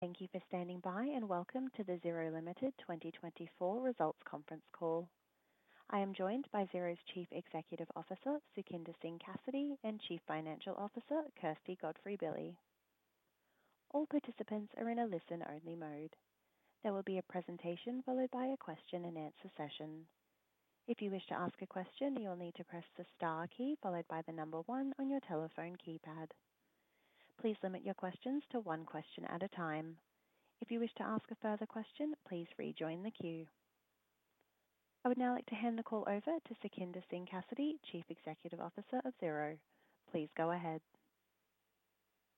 Thank you for standing by, and welcome to the Xero Limited 2024 results conference call. I am joined by Xero's Chief Executive Officer, Sukhinder Singh Cassidy, and Chief Financial Officer, Kirsty Godfrey-Billy. All participants are in a listen-only mode. There will be a presentation followed by a question-and-answer session. If you wish to ask a question, you'll need to press the star key followed by the number one on your telephone keypad. Please limit your questions to one question at a time. If you wish to ask a further question, please rejoin the queue. I would now like to hand the call over to Sukhinder Singh Cassidy, Chief Executive Officer of Xero. Please go ahead.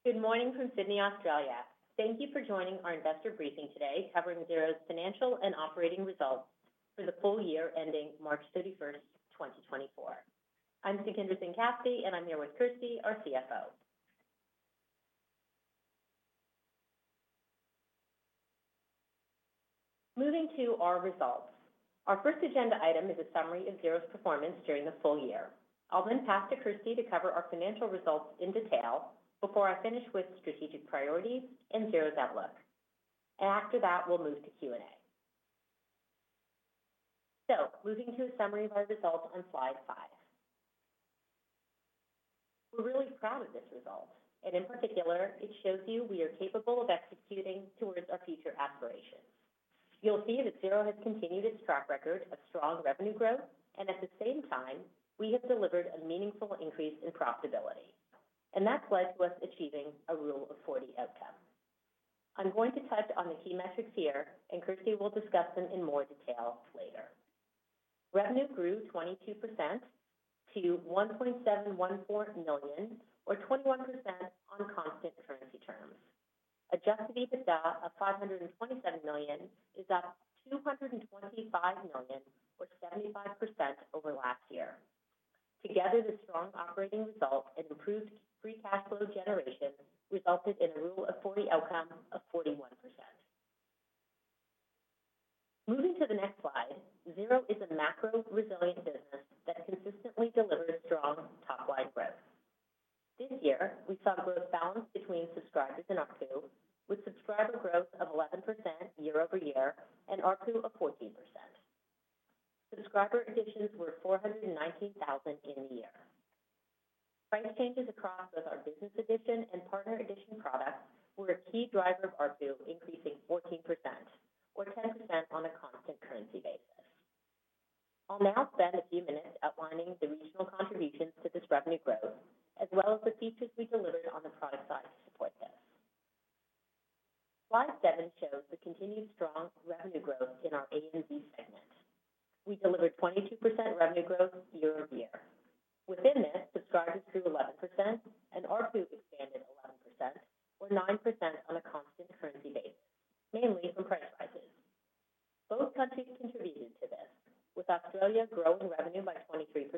Good morning from Sydney, Australia. Thank you for joining our investor briefing today, covering Xero's financial and operating results for the full year ending March 31, 2024. I'm Sukhinder Singh Cassidy, and I'm here with Kirsty, our CFO. Moving to our results. Our first agenda item is a summary of Xero's performance during the full year. I'll then pass to Kirsty to cover our financial results in detail before I finish with strategic priorities and Xero's outlook. After that, we'll move to Q&A. So moving to a summary of our results on slide 5. We're really proud of this result, and in particular, it shows you we are capable of executing towards our future aspirations. You'll see that Xero has continued its track record of strong revenue growth, and at the same time, we have delivered a meaningful increase in profitability, and that led to us achieving a Rule of 40 outcome. I'm going to touch on the key metrics here, and Kirsty will discuss them in more detail later. Revenue grew 22% to 1.714 million, or 21% on constant currency terms. Adjusted EBITDA of 527 million is up 225 million, or 75% over last year. Together, the strong operating result and improved free cash flow generation resulted in a Rule of 40 outcome of 41%. Moving to the next slide, Xero is a macro-resilient business that consistently delivers strong top-line growth. This year, we saw growth balanced between subscribers and ARPU, with subscriber growth of 11% year over year and ARPU of 14%. Subscriber additions were 419,000 in the year. Price changes across both our Business Edition and Partner Edition products were a key driver of ARPU, increasing 14% or 10% on a constant currency basis. I'll now spend a few minutes outlining the regional contributions to this revenue growth, as well as the features we delivered on the product side to support this. Slide seven shows the continued strong revenue growth in our ANZ segment. We delivered 22% revenue growth year over year. Within this, subscribers grew 11% and ARPU expanded 11% or 9% on a constant currency basis, mainly from price rises. Both countries contributed to this, with Australia growing revenue by 23%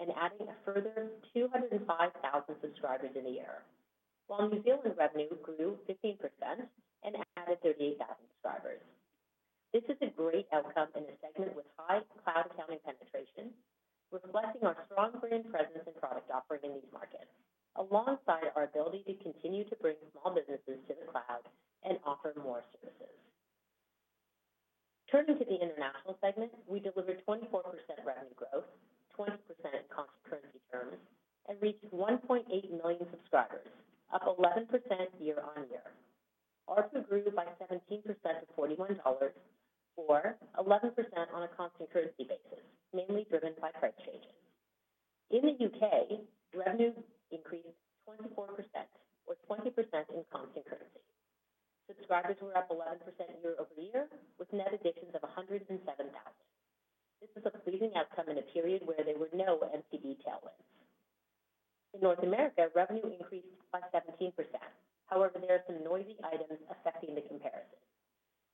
and adding a further 205,000 subscribers in the year, while New Zealand revenue grew 15% and added 38,000 subscribers. This is a great outcome in a segment with high cloud accounting penetration, reflecting our strong brand presence and product offering in these markets, alongside our ability to continue to bring small businesses to the cloud and offer more services. Turning to the International segment, we delivered 24% revenue growth, 20% in constant currency terms, and reached 1.8 million subscribers, up 11% year-on-year. ARPU grew by 17% to $41, or 11% on a constant currency basis, mainly driven by price changes. In the U.K., revenue increased 24% or 20% in constant currency. Subscribers were up 11% year-over-year, with net additions of 107,000. This is a pleasing outcome in a period where there were no MTD tailwinds. In North America, revenue increased by 17%. However, there are some noisy items affecting the comparison.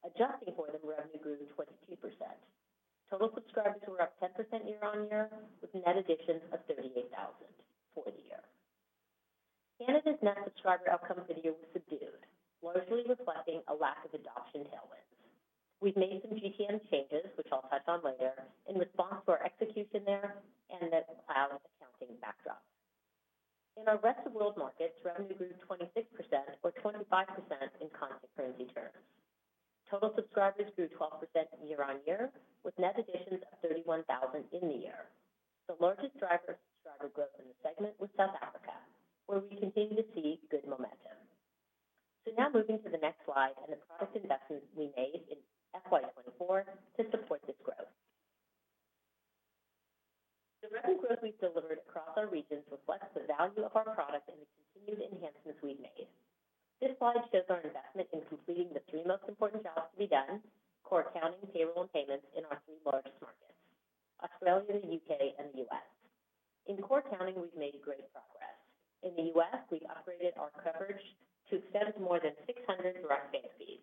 Adjusting for them, revenue grew 22%. Total subscribers were up 10% year-on-year, with net additions of 38,000 for the year. Canada's net subscriber outcome for the year was subdued, largely reflecting a lack of adoption tailwinds. We've made some GTM changes, which I'll touch on later, in response to our execution there and the cloud accounting backdrop. In our Rest of World markets, revenue grew 26% or 25% in constant currency terms. Total subscribers grew 12% year-on-year, with net additions of 31,000 in the year. The largest driver of subscriber growth in the segment was South Africa, where we continue to see good momentum. So now moving to the next slide and the product investments we made in FY 2024 to support this growth. The revenue growth we've delivered across our regions reflects the value of our product and the continued enhancements we've made. This slide shows our investment in completing the three most important jobs to be done: core accounting, payroll, and payments in our three largest markets, Australia, the U.K., and the U.S. In core accounting, we've made great progress. In the U.S., we've upgraded our coverage to extend to more than 600 direct bank feeds.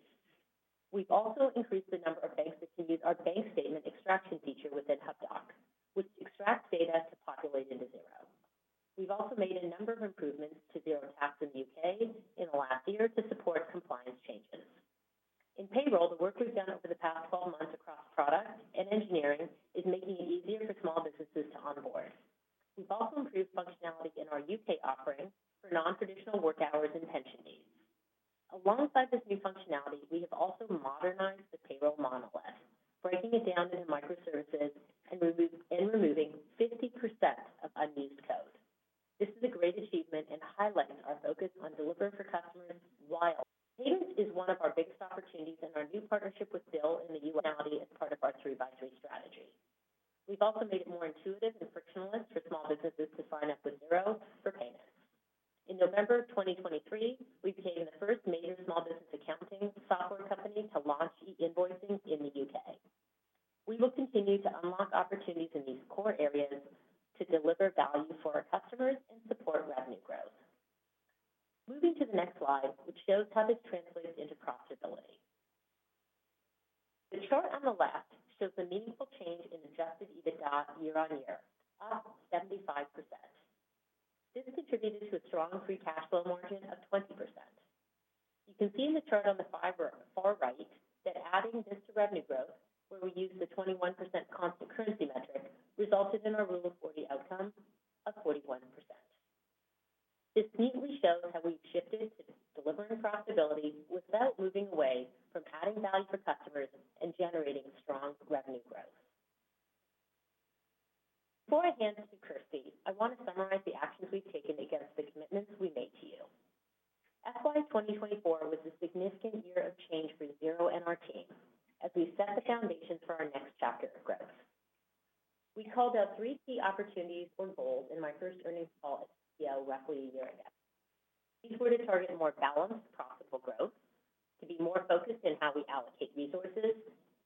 We've also increased the number of banks that can use our bank statement extraction feature within Hubdoc, which extracts data to populate into Xero. We've also made a number of improvements to Xero tax in the U.K. in the last year to support compliance changes. In payroll, the work we've done over the past 12 months across product and engineering is making it easier for small businesses to onboard. We've also improved functionality in our U.K. offering for non-traditional work hours and pension needs. Alongside this new functionality, we have also modernized the payroll monolith, breaking it down into microservices and removing 50% of unused code. This is a great achievement and highlights our focus on delivering for customers while payment is one of our biggest opportunities in our new partnership with Bill in the U.K. as part of our 3x3 strategy. We've also made it more intuitive and frictionless for small businesses to sign up with Xero for payment. In November 2023, we became the first major small business accounting software company to launch e-invoicing in the U.K. We will continue to unlock opportunities in these core areas to deliver value for our customers and support revenue growth. Moving to the next slide, which shows how this translates into profitability. The chart on the left shows a meaningful change in Adjusted EBITDA year-on-year, up 75%. This contributed to a strong free cash flow margin of 20%. You can see in the chart on the figure on the far right, that adding this to revenue growth, where we use the 21% constant currency metric, resulted in our Rule of 40 outcome of 41%. This neatly shows how we've shifted to delivering profitability without moving away from adding value for customers and generating strong revenue growth. Before I hand this to Kirsty, I want to summarize the actions we've taken against the commitments we made to you. FY 2024 was a significant year of change for Xero and our team as we set the foundation for our next chapter of growth. We called out three key opportunities or goals in my first earnings call at CLSA, roughly a year ago. These were to target more balanced, profitable growth, to be more focused in how we allocate resources,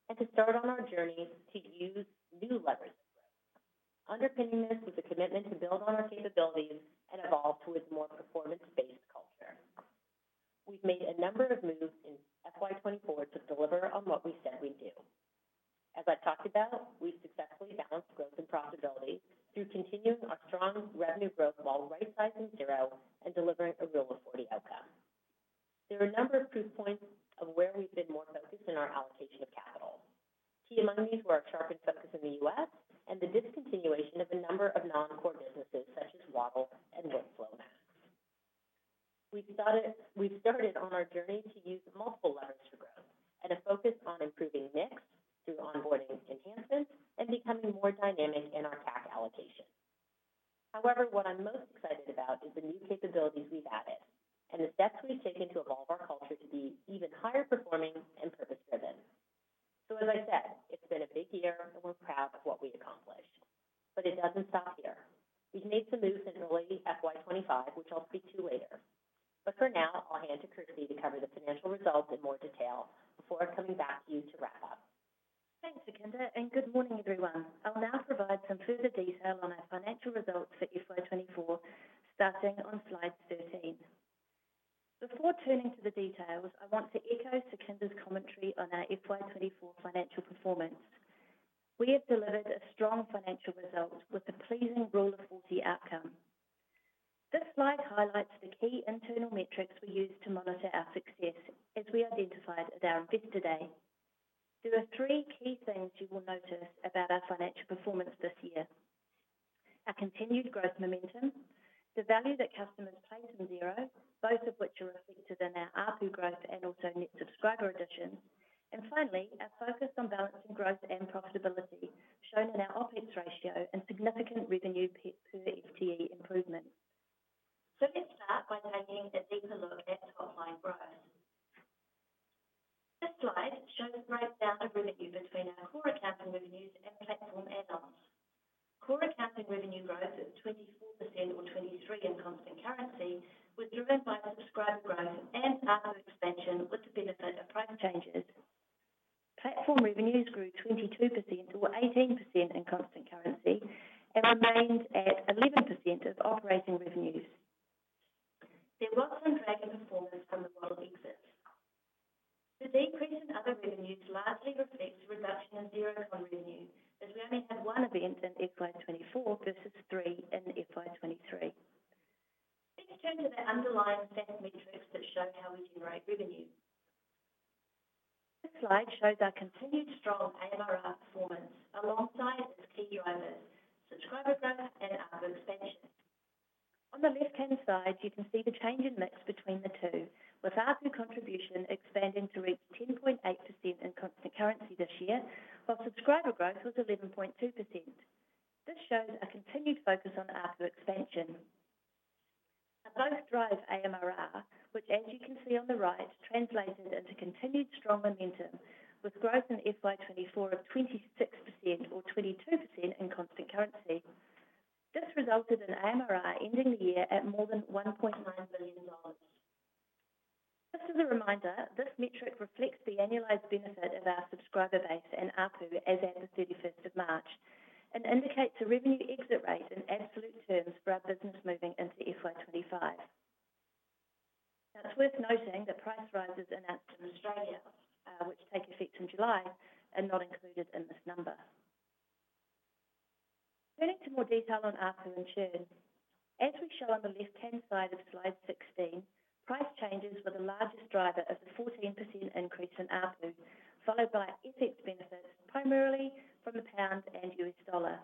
and to start on our journey to use new levers to grow. Underpinning this was a commitment to build on our capabilities and evolve towards more performance-based culture. We've made a number of moves in FY 2024 to deliver on what we said we'd do. As I talked about, we successfully balanced growth and profitability through continuing our strong revenue growth while rightsizing Xero and delivering a Rule of 40 outcome. There are a number of proof points of where we've been more focused in our allocation of capital. Key among these were our sharpened focus in the U.S. and the discontinuation of a number of non-core businesses, such as Waddle and WorkflowMax. We've started on our journey to use multiple levers to grow and a focus on improving mix through onboarding enhancements and becoming more dynamic in our tax allocation. However, what I'm most excited about is the new capabilities we've added and the steps we've taken to evolve our culture to be even higher performing and purpose-driven. So as I said, it's been a big year, and we're proud of what we've accomplished, but it doesn't stop here. We've made some moves in early FY 25, which I'll speak to later, but for now, I'll hand to Kirsty to cover the financial results in more detail before coming back to you to wrap up. Thanks, Sukhinder, and good morning, everyone. I'll now provide some further detail on our financial results for FY 2024, starting on slide 13. Before turning to the details, I want to echo Sukhinder's commentary on our FY 2024 financial performance. We have delivered a strong financial result with a pleasing Rule of 40 outcome. This slide highlights the key internal metrics we use to monitor our success as we identified at our investor day. There are three key things you will notice about our financial performance this year: our continued growth momentum, the value that customers place in Xero, both of which are reflected in our ARPU growth and also net subscriber additions, and finally, our focus on balancing growth and profitability, shown in our OpEx ratio and significant revenue per FTE improvement. So let's start by taking a deeper look at top-line growth. This slide shows breakdown of revenue between our core accounting revenues and platform add-ons. Core accounting revenue growth is 24%, or 23% in constant currency, was driven by subscriber growth and ARPU expansion with the benefit of price changes. Platform revenues grew 22% to 18% in constant currency and remained at 11% of operating revenues. There was some drag in performance from the Waddle exits. The decrease in other revenues largely reflects a reduction in Xero revenue, as we only had 1 event in FY 2024 versus 3 in FY 2023. Let's turn to the underlying sales metrics that show how we generate revenue. This slide shows our continued strong AMRR performance alongside the key drivers, subscriber growth and ARPU expansion. On the left-hand side, you can see the change in mix between the two, with ARPU contribution expanding to reach 10.8% in constant currency this year, while subscriber growth was 11.2%. This shows a continued focus on ARPU expansion. Both drive AMRR, which, as you can see on the right, translated into continued strong momentum with growth in FY 2024 of 26% or 22% in constant currency. This resulted in AMRR ending the year at more than $1.9 billion. Just as a reminder, this metric reflects the annualized benefit of our subscriber base and ARPU as at the 31st of March, and indicates a revenue exit rate in absolute terms for our business moving into FY 2025. Now, it's worth noting that price rises in our Australia, which take effect in July, are not included in this number. Turning to more detail on ARPU and churn. As we show on the left-hand side of slide 16, price changes were the largest driver of the 14% increase in ARPU, followed by FX benefits, primarily from the pound and U.S. dollar.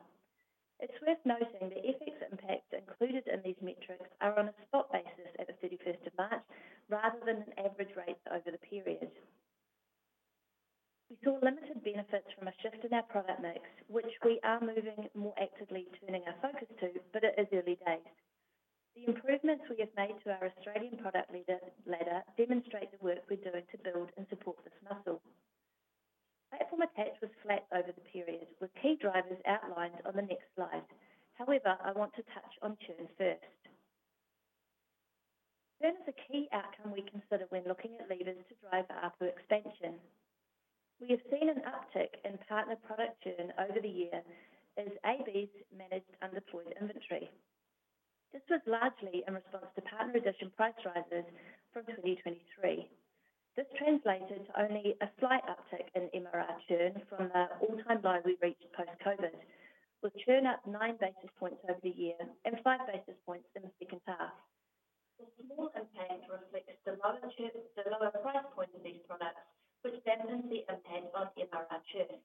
It's worth noting the FX impact included in these metrics are on a spot basis at the 31st of March, rather than an average rate over the period. We saw limited benefits from a shift in our product mix, which we are moving more actively turning our focus to, but it is early days. The improvements we have made to our Australian product ladder demonstrate the work we're doing to build and support this muscle. Platform attach was flat over the period, with key drivers outlined on the next slide. However, I want to touch on churn first. Churn is a key outcome we consider when looking at levers to drive ARPU expansion. We have seen an uptick in partner product churn over the year as ABs managed undeployed inventory. This was largely in response to partner-resistant price rises from 2023. This translated to only a slight uptick in MRR churn from the all-time low we reached post-COVID, with churn up 9 basis points over the year and 5 basis points in the second half. The small impact reflects the lower churn, the lower price point of these products, which dampens the impact on MRR churn.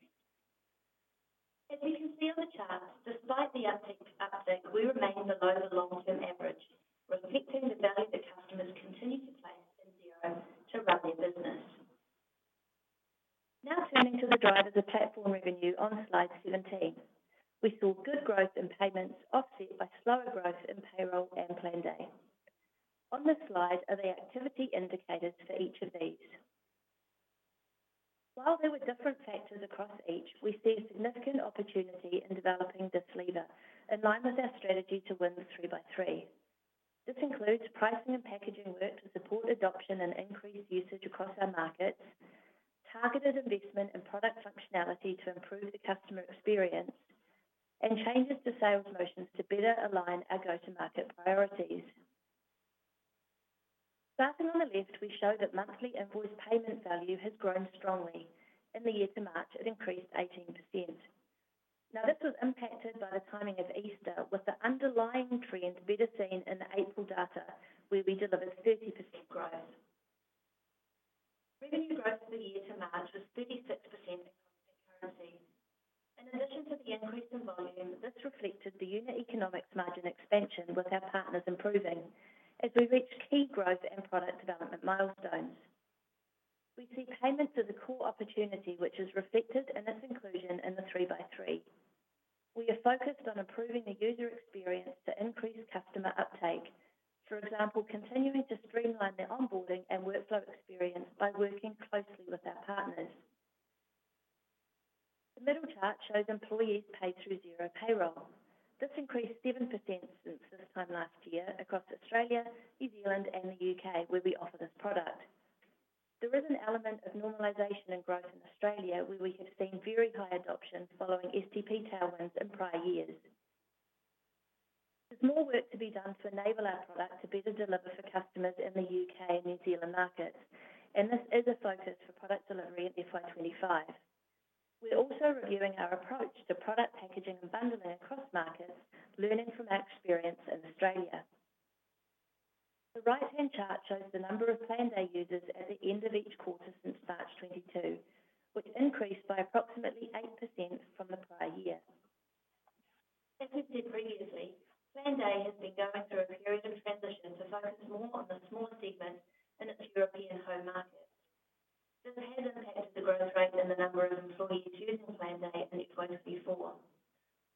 As you can see on the chart, despite the uptick, we remain below the long-term average, reflecting the value that customers continue to place in Xero to run their business. Now turning to the drivers of platform revenue on slide 17. We saw good growth in payments, offset by slower growth in payroll and Planday. On this slide are the activity indicators for each of these. While there were different factors across each, we see a significant opportunity in developing this lever, in line with our strategy to win the 3x3. This includes pricing and packaging work to support adoption and increase usage across our markets, targeted investment in product functionality to improve the customer experience, and changes to sales motions to better align our go-to-market priorities. Starting on the left, we show that monthly invoice payment value has grown strongly. In the year to March, it increased 18%. Now, this was impacted by the timing of Easter, with the underlying trend better seen in the April data, where we delivered 30% growth. Revenue growth for the year to March was 36% in currency. In addition to the increase in volume, this reflected the unit economics margin expansion with our partners improving as we reached key growth and product development milestones. We see payments as a core opportunity, which is reflected in this inclusion in the 3x3. We are focused on improving the user experience to increase customer uptake. For example, continuing to streamline their onboarding and workflow experience by working closely with our partners. The middle chart shows employees paid through Xero Payroll. This increased 7% since this time last year across Australia, New Zealand, and the UK, where we offer this product. There is an element of normalization and growth in Australia, where we have seen very high adoption following STP tailwinds in prior years. There's more work to be done to enable our product to better deliver for customers in the UK and New Zealand markets, and this is a focus for product delivery in FY 25. We're also reviewing our approach to product packaging and bundling across markets, learning from our experience in Australia. The right-hand chart shows the number of Planday users at the end of each quarter since March 2022, which increased by approximately 8% from the prior year. As we said previously, Planday has been going through a period of transition to focus more on the small segment in its European home market. This has impacted the growth rate and the number of employees using Planday in FY 24.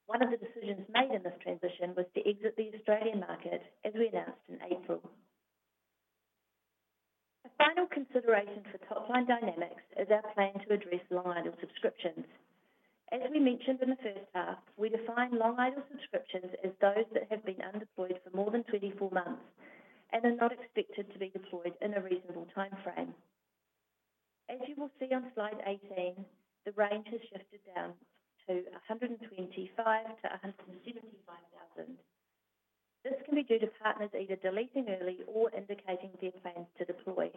One of the decisions made in this transition was to exit the Australian market, as we announced in April. A final consideration for top-line dynamics is our plan to address long-idle subscriptions. As we mentioned in the first half, we define long-idle subscriptions as those that have been undeployed for more than 24 months and are not expected to be deployed in a reasonable timeframe. As you will see on Slide 18, the range has shifted down to 125,000-175,000. This can be due to partners either deleting early or indicating their plans to deploy.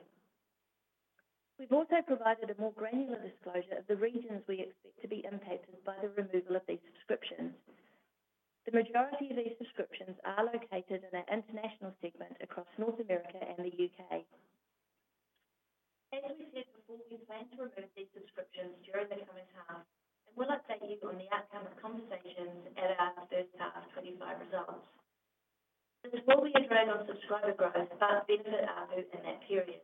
We've also provided a more granular disclosure of the regions we expect to be impacted by the removal of these subscriptions. The majority of these subscriptions are located in our International segment across North America and the UK. As we said before, we plan to remove these subscriptions during the current half, and we'll update you on the outcome of conversations at our first half 2025 results. This will be a drag on subscriber growth, but benefit ARPU in that period.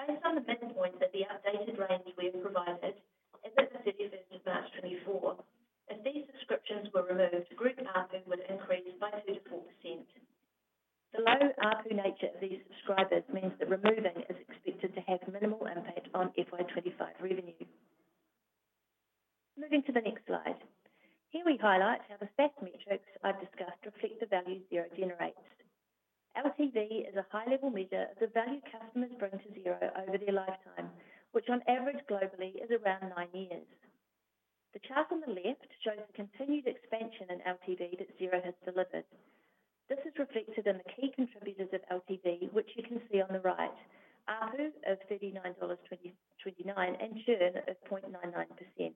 Based on the midpoint of the updated range we have provided as at the March 31st, 2024, if these subscriptions were removed, group ARPU would increase by 34%. The low ARPU nature of these subscribers means that removing is expected to have minimal impact on FY 2025 revenue. Moving to the next slide. Here we highlight how the stat metrics I've discussed reflect the value Xero generates. LTV is a high-level measure of the value customers bring to Xero over their lifetime, which on average globally is around 9 years. The chart on the left shows the continued expansion in LTV that Xero has delivered.... This is reflected in the key contributors of LTV, which you can see on the right, ARPU of $39.20, $29, and churn of 0.99%.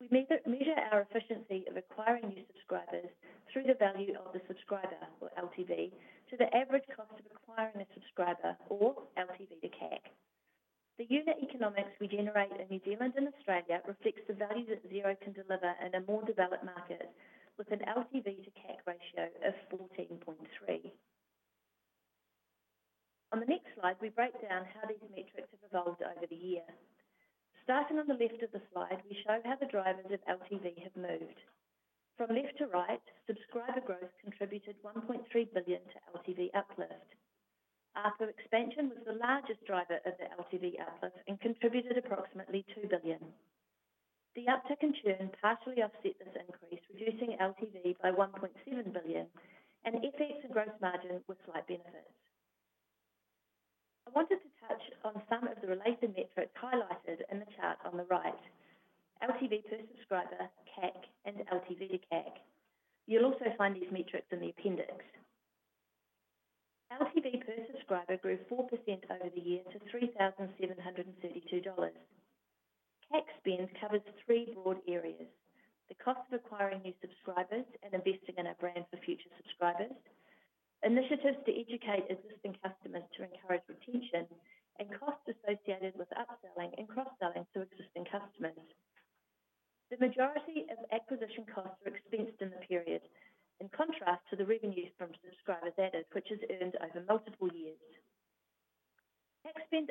We measure our efficiency of acquiring new subscribers through the value of the subscriber or LTV, to the average cost of acquiring a subscriber or LTV to CAC. The unit economics we generate in New Zealand and Australia reflects the value that Xero can deliver in a more developed market, with an LTV to CAC ratio of 14.3. On the next slide, we break down how these metrics have evolved over the year. Starting on the left of the slide, we show how the drivers of LTV have moved. From left to right, subscriber growth contributed $1.3 billion to LTV uplift. ARPU expansion was the largest driver of the LTV uplift and contributed approximately $2 billion. The uptick in churn partially offset this increase, reducing LTV by 1.7 billion, and FX and gross margin were slight benefits. I wanted to touch on some of the related metrics highlighted in the chart on the right: LTV per subscriber, CAC, and LTV to CAC. You'll also find these metrics in the appendix. LTV per subscriber grew 4% over the year to NZD 3,732. CAC spend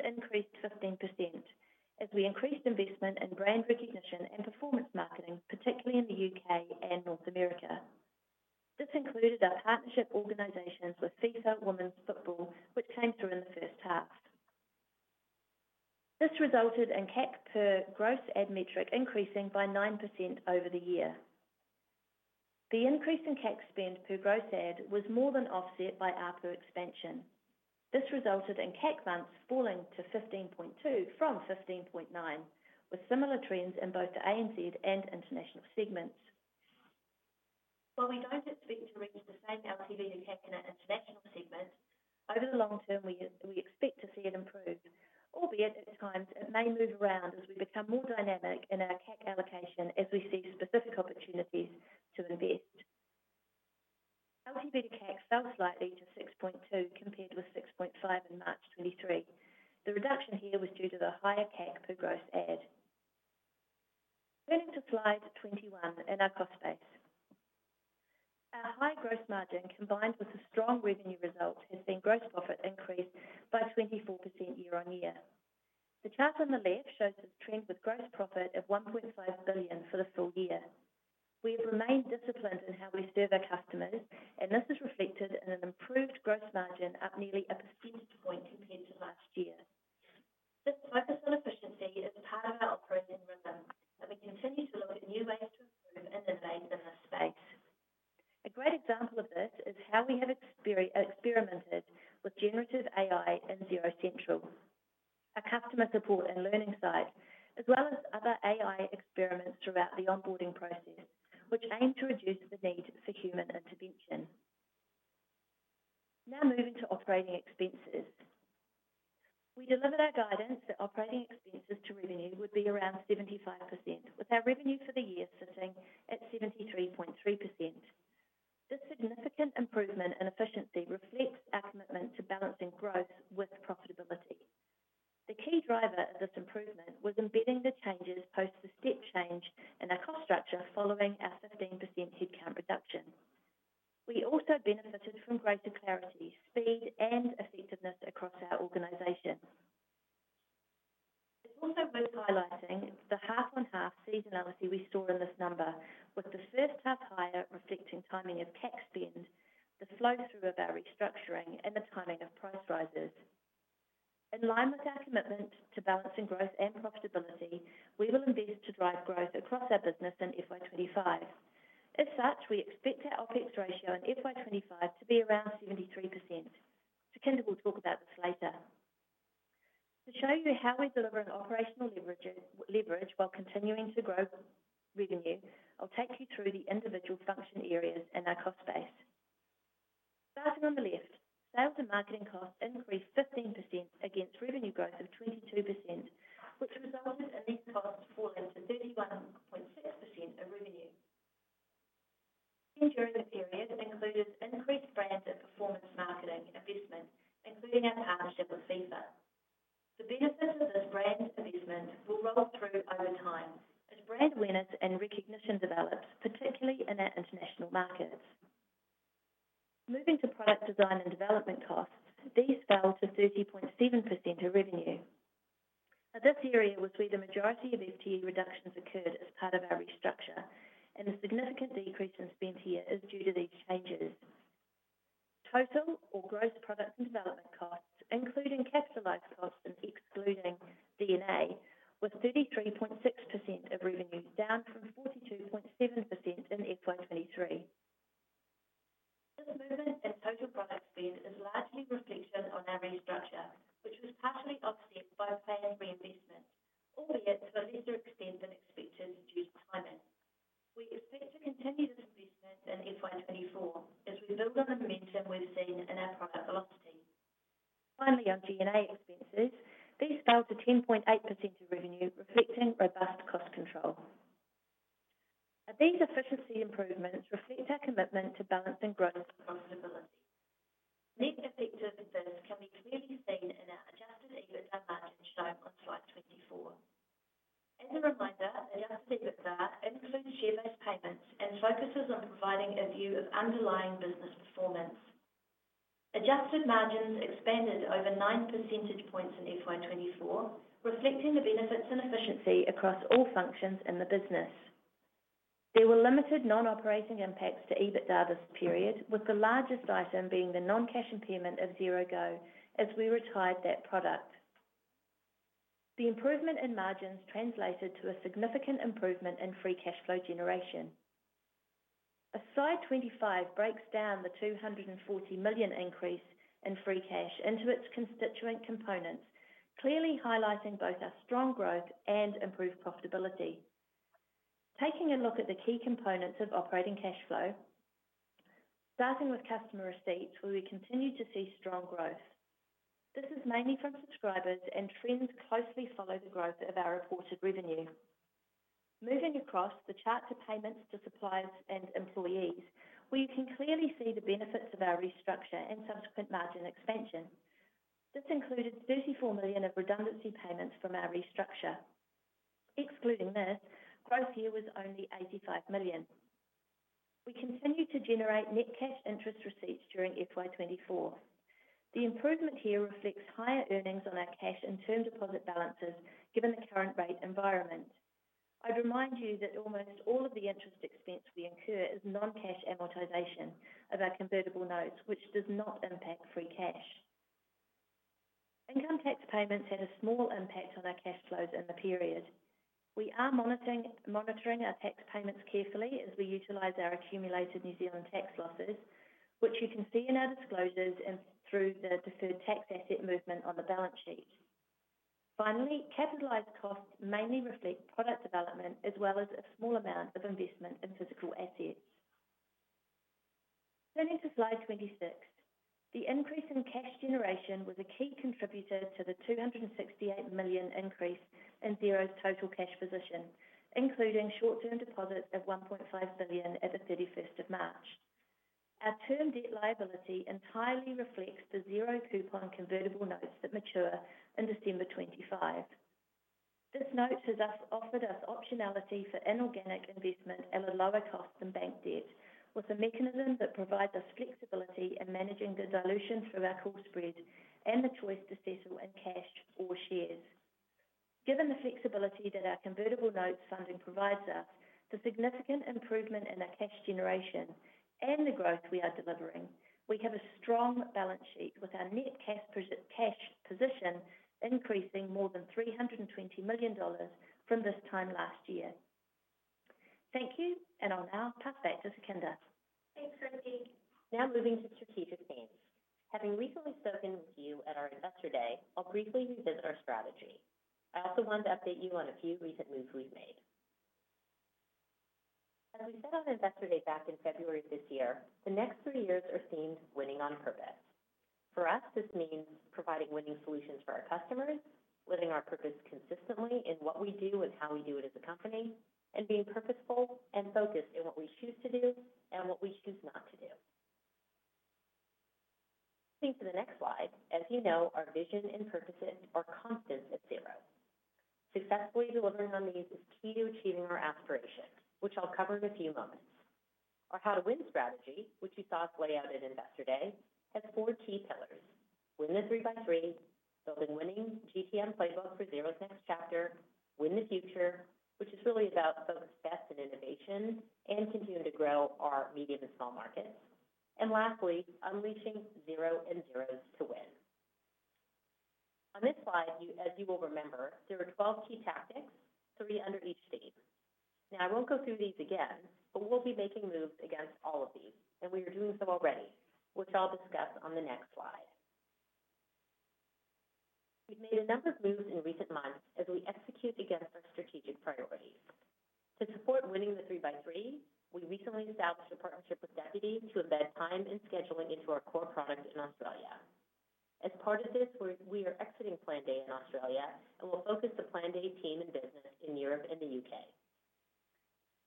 increased 15% as we increased investment in brand recognition and performance marketing, particularly in the U.K. and North America. This included our partnership organizations with FIFA Women's Football, which came through in the first half. This resulted in CAC per gross add metric increasing by 9% over the year. The increase in CAC spend per gross add was more than offset by ARPU expansion. This resulted in CAC months falling to 15.2 from 15.9, with similar trends in both the ANZ and International segments. While we don't expect to reach the same LTV to CAC in our International segment, over the long term, we expect to see it improve, albeit at times it may move around as we become more dynamic in our CAC allocation as we see specific opportunities to invest. LTV to CAC fell slightly to 6.2, compared with 6.5 in March 2023. The reduction here was due to the higher CAC per gross add. Turning to slide 21 and our cost base. Our high growth margin, combined with the strong revenue results, has seen gross profit increase by 24% year-on-year. The chart on the left shows the trend with gross profit of 1.5 billion for the full year. We have remained disciplined in how we serve our customers, and this is reflected in an improved gross margin, up nearly a percentage point compared to last year. This focus on efficiency is a part of our operating rhythm, and we continue to look at new ways to improve and innovate in this space. A great example of this is how we have experimented with generative AI in Xero Central, our customer support and learning site, as well as other AI experiments throughout the onboarding process, which aim to reduce the need for human intervention. Now moving to operating expenses. We delivered our guidance that operating expenses to revenue would be around 75%, with our revenue for the year sitting at 73.3%. This significant improvement in efficiency reflects our commitment to balancing growth with profitability. The key driver of this improvement was embedding the changes post the step change in our cost structure following our 15% headcount reduction. We also benefited from greater clarity, speed, and effectiveness across our organization. It's also worth highlighting the half-on-half seasonality we saw in this number, with the first half higher reflecting timing of CAC spend, the flow-through of our restructuring, and the timing of price rises. In line with our commitment to balancing growth and profitability, we will invest to drive growth across our business in FY 25. As such, we expect our OpEx ratio in FY 25 to be around 73%. Sukhinder will talk about this later. To show you how we deliver an operational leverage, leverage while continuing to grow revenue, I'll take you through the individual function areas in our cost base. Starting on the left, sales and marketing costs increased 15% against revenue growth of 22%, which resulted in these costs falling to 31.6% of revenue. During the period, included increased brand and performance marketing investment, including our partnership with FIFA. The benefits of this brand investment will roll through over time as brand awareness and recognition develops, particularly in our international markets. Moving to product design and development costs, these fell to 30.7% of revenue. Now, this area was where the majority of FTE reductions occurred as part of our restructure, and the significant decrease in spend here is due to these changes. Total or gross product development costs, including capitalized costs and excluding D&A, was 33.6% of revenue, down from 42.7% in FY 2023. This movement in total product spend is largely reflected on our restructure, which was partially offset by paying reinvestment... albeit to a lesser extent than expected due to timing. We expect to continue this investment in FY 2024 as we build on the momentum we've seen in our product velocity. Finally, on G&A expenses, these fell to 10.8% of revenue, reflecting robust cost control. These efficiency improvements reflect our commitment to balancing growth and profitability. Net effect of this can be clearly seen in our adjusted EBITDA margin shown on slide 24. As a reminder, adjusted EBITDA includes share-based payments and focuses on providing a view of underlying business performance. Adjusted margins expanded over 9 percentage points in FY 2024, reflecting the benefits and efficiency across all functions in the business. There were limited non-operating impacts to EBITDA this period, with the largest item being the non-cash impairment of Xero Go, as we retired that product. The improvement in margins translated to a significant improvement in free cash flow generation. As slide 25 breaks down the 240 million increase in free cash into its constituent components, clearly highlighting both our strong growth and improved profitability. Taking a look at the key components of operating cash flow, starting with customer receipts, where we continue to see strong growth. This is mainly from subscribers, and trends closely follow the growth of our reported revenue. Moving across the chart to payments to suppliers and employees, we can clearly see the benefits of our restructure and subsequent margin expansion. This included 34 million of redundancy payments from our restructure. Excluding this, growth here was only 85 million. We continued to generate net cash interest receipts during FY 2024. The improvement here reflects higher earnings on our cash and term deposit balances, given the current rate environment. I'd remind you that almost all of the interest expense we incur is non-cash amortization of our convertible notes, which does not impact free cash. Income tax payments had a small impact on our cash flows in the period. We are monitoring our tax payments carefully as we utilize our accumulated New Zealand tax losses, which you can see in our disclosures and through the deferred tax asset movement on the balance sheet. Finally, capitalized costs mainly reflect product development, as well as a small amount of investment in physical assets. Turning to slide 26, the increase in cash generation was a key contributor to the 268 million increase in Xero total cash position, including short-term deposits of 1.5 billion at March 31st. Our term debt liability entirely reflects the zero-coupon convertible notes that mature in December 2025. This note has thus offered us optionality for inorganic investment at a lower cost than bank debt, with a mechanism that provides us flexibility in managing the dilution through our call spread and the choice to settle in cash or shares. Given the flexibility that our convertible note funding provides us, the significant improvement in our cash generation and the growth we are delivering, we have a strong balance sheet with our net cash position increasing more than $320 million from this time last year. Thank you, and I'll now pass back to Sukhinder. Thanks, Kirsty. Now moving to strategic themes. Having recently spoken with you at our Investor Day, I'll briefly revisit our strategy. I also wanted to update you on a few recent moves we've made. As we said on Investor Day back in February this year, the next 3 years are themed, "Winning on Purpose." For us, this means providing winning solutions for our customers, living our purpose consistently in what we do and how we do it as a company, and being purposeful and focused in what we choose to do and what we choose not to do. Moving to the next slide, as you know, our vision and purposes are constant at Xero. Successfully delivering on these is key to achieving our aspirations, which I'll cover in a few moments. Our How to Win strategy, which you saw us lay out at Investor Day, has 4 key pillars: Win the 3x3, Building Winning GTM Playbook for Xero's next chapter, Win the Future, which is really about Focus, Best, and Innovation, and continuing to grow our medium and small markets. And lastly, Unleashing Xero and Xeros to Win. On this slide, you, as you will remember, there are 12 key tactics, 3 under each theme. Now, I won't go through these again, but we'll be making moves against all of these, and we are doing so already, which I'll discuss on the next slide. We've made a number of moves in recent months as we execute against our strategic priorities. To support winning the 3x3, we recently established a partnership with Deputy to embed time and scheduling into our core products in Australia. As part of this, we are exiting Planday in Australia and will focus the Planday team and business in Europe and the U.K.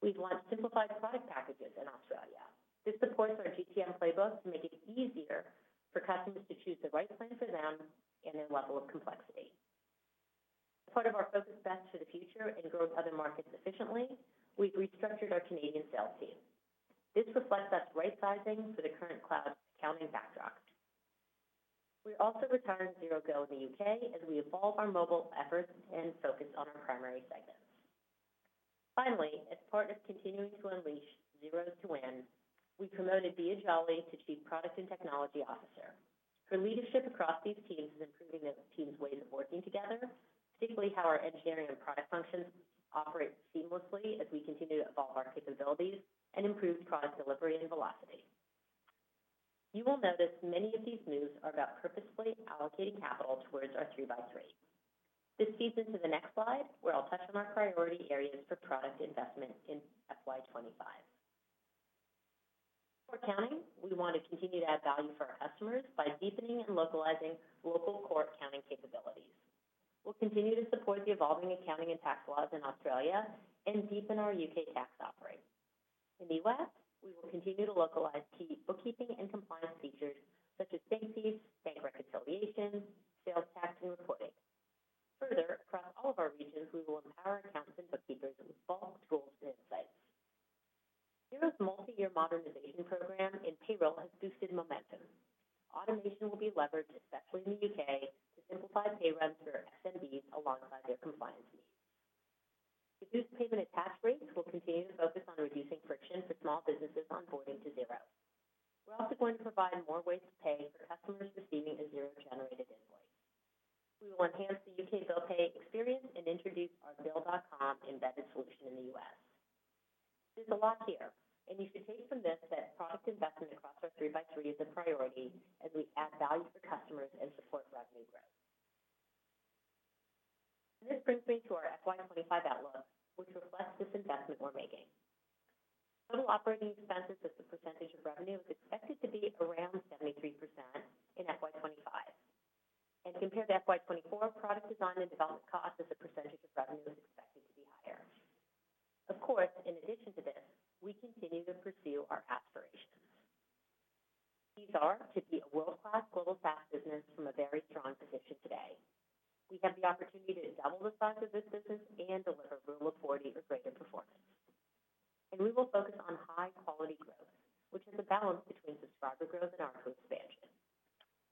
We've launched simplified product packages in Australia. This supports our GTM playbook to make it easier for customers to choose the right plan for them and their level of complexity. As part of our focus back to the future and grow other markets efficiently, we've restructured our Canadian sales team. This reflects us rightsizing to the current cloud accounting backdrop. We also retired Xero Go in the U.K. as we evolve our mobile efforts and focus on our primary segments. Finally, as part of continuing to unleash Xero to Win, we promoted Diya Jolly to Chief Product and Technology Officer. Her leadership across these teams is improving the team's ways of working together, particularly how our engineering and product functions operate seamlessly as we continue to evolve our capabilities and improve product delivery and velocity. You will notice many of these moves are about purposefully allocating capital towards our 3x3. This feeds into the next slide, where I'll touch on our priority areas for product investment in FY 25. For accounting, we want to continue to add value for our customers by deepening and localizing local core accounting capabilities. We'll continue to support the evolving accounting and tax laws in Australia and deepen our U.K. tax offering. In the U.S., we will continue to localize key bookkeeping and compliance features such as bank feeds, bank reconciliation, sales tax, and reporting. Further, across all of our regions, we will empower accountants and bookkeepers with bold tools and insights. Xero's multi-year modernization program in payroll has boosted momentum. Automation will be leveraged, especially in the U.K., to simplify pay runs for SMBs alongside their compliance needs. To boost payment and tax rates, we'll continue to focus on reducing friction for small businesses onboarding to Xero. We're also going to provide more ways to pay for customers receiving a Xero-generated invoice. We will enhance the U.K. bill pay experience and introduce our Bill.com embedded solution in the U.S. There's a lot here, and you should take from this that product investment across our 3x3 is a priority as we add value for customers and support revenue growth. This brings me to our FY25 outlook, which reflects this investment we're making. Total operating expenses as a percentage of revenue is expected to be around 73% in FY 2025, and compared to FY 2024, product design and development costs as a percentage of revenue is expected to be higher. Of course, in addition to this, we continue to pursue our aspirations. These are to be a world-class, global SaaS business from a very strong position today. We have the opportunity to double the size of this business and deliver Rule of 40 or greater performance. We will focus on high-quality growth, which is a balance between subscriber growth and ARPU expansion.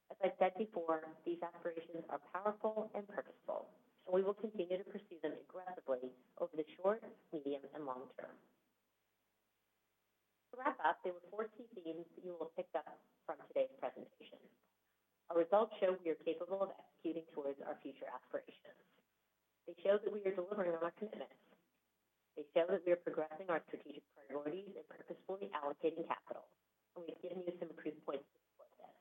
As I said before, these aspirations are powerful and purposeful, and we will continue to pursue them aggressively over the short, medium, and long term. To wrap up, there were four key themes you will pick up from today's presentation. Our results show we are capable of executing towards our future aspirations. They show that we are delivering on our commitments. They show that we are progressing our strategic priorities and purposefully allocating capital, and we've given you some proof points to support this.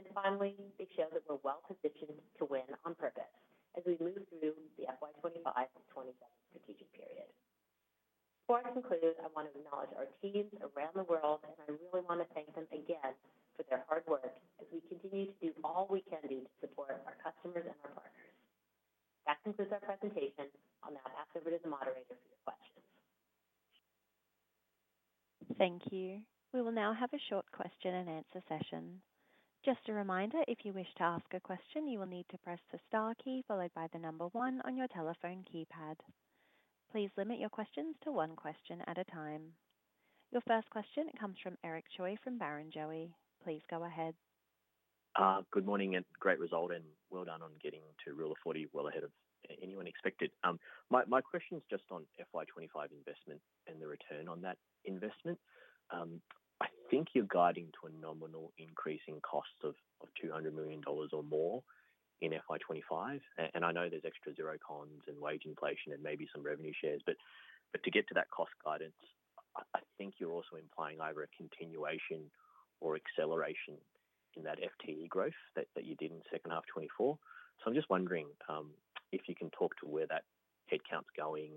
And finally, they show that we're well-positioned to win on purpose as we move through the FY 2025 and 2027 strategic period. Before I conclude, I want to acknowledge our teams around the world, and I really want to thank them again for their hard work as we continue to do all we can do to support our customers and our partners. That concludes our presentation. I'll now pass over to the moderator for your questions. Thank you. We will now have a short question-and-answer session. Just a reminder, if you wish to ask a question, you will need to press the star key followed by the number one on your telephone keypad. Please limit your questions to one question at a time. Your first question comes from Eric Choi from Barrenjoey. Please go ahead. Good morning, and great result, and well done on getting to Rule of 40 well ahead of anyone expected. My question is just on FY 2025 investment and the return on that investment. I think you're guiding to a nominal increase in cost of $200 million or more in FY 2025. And I know there's extra Xerocons and wage inflation and maybe some revenue shares, but to get to that cost guidance, I think you're also implying either a continuation or acceleration in that FTE growth that you did in second half of 2024. So I'm just wondering, if you can talk to where that headcount's going,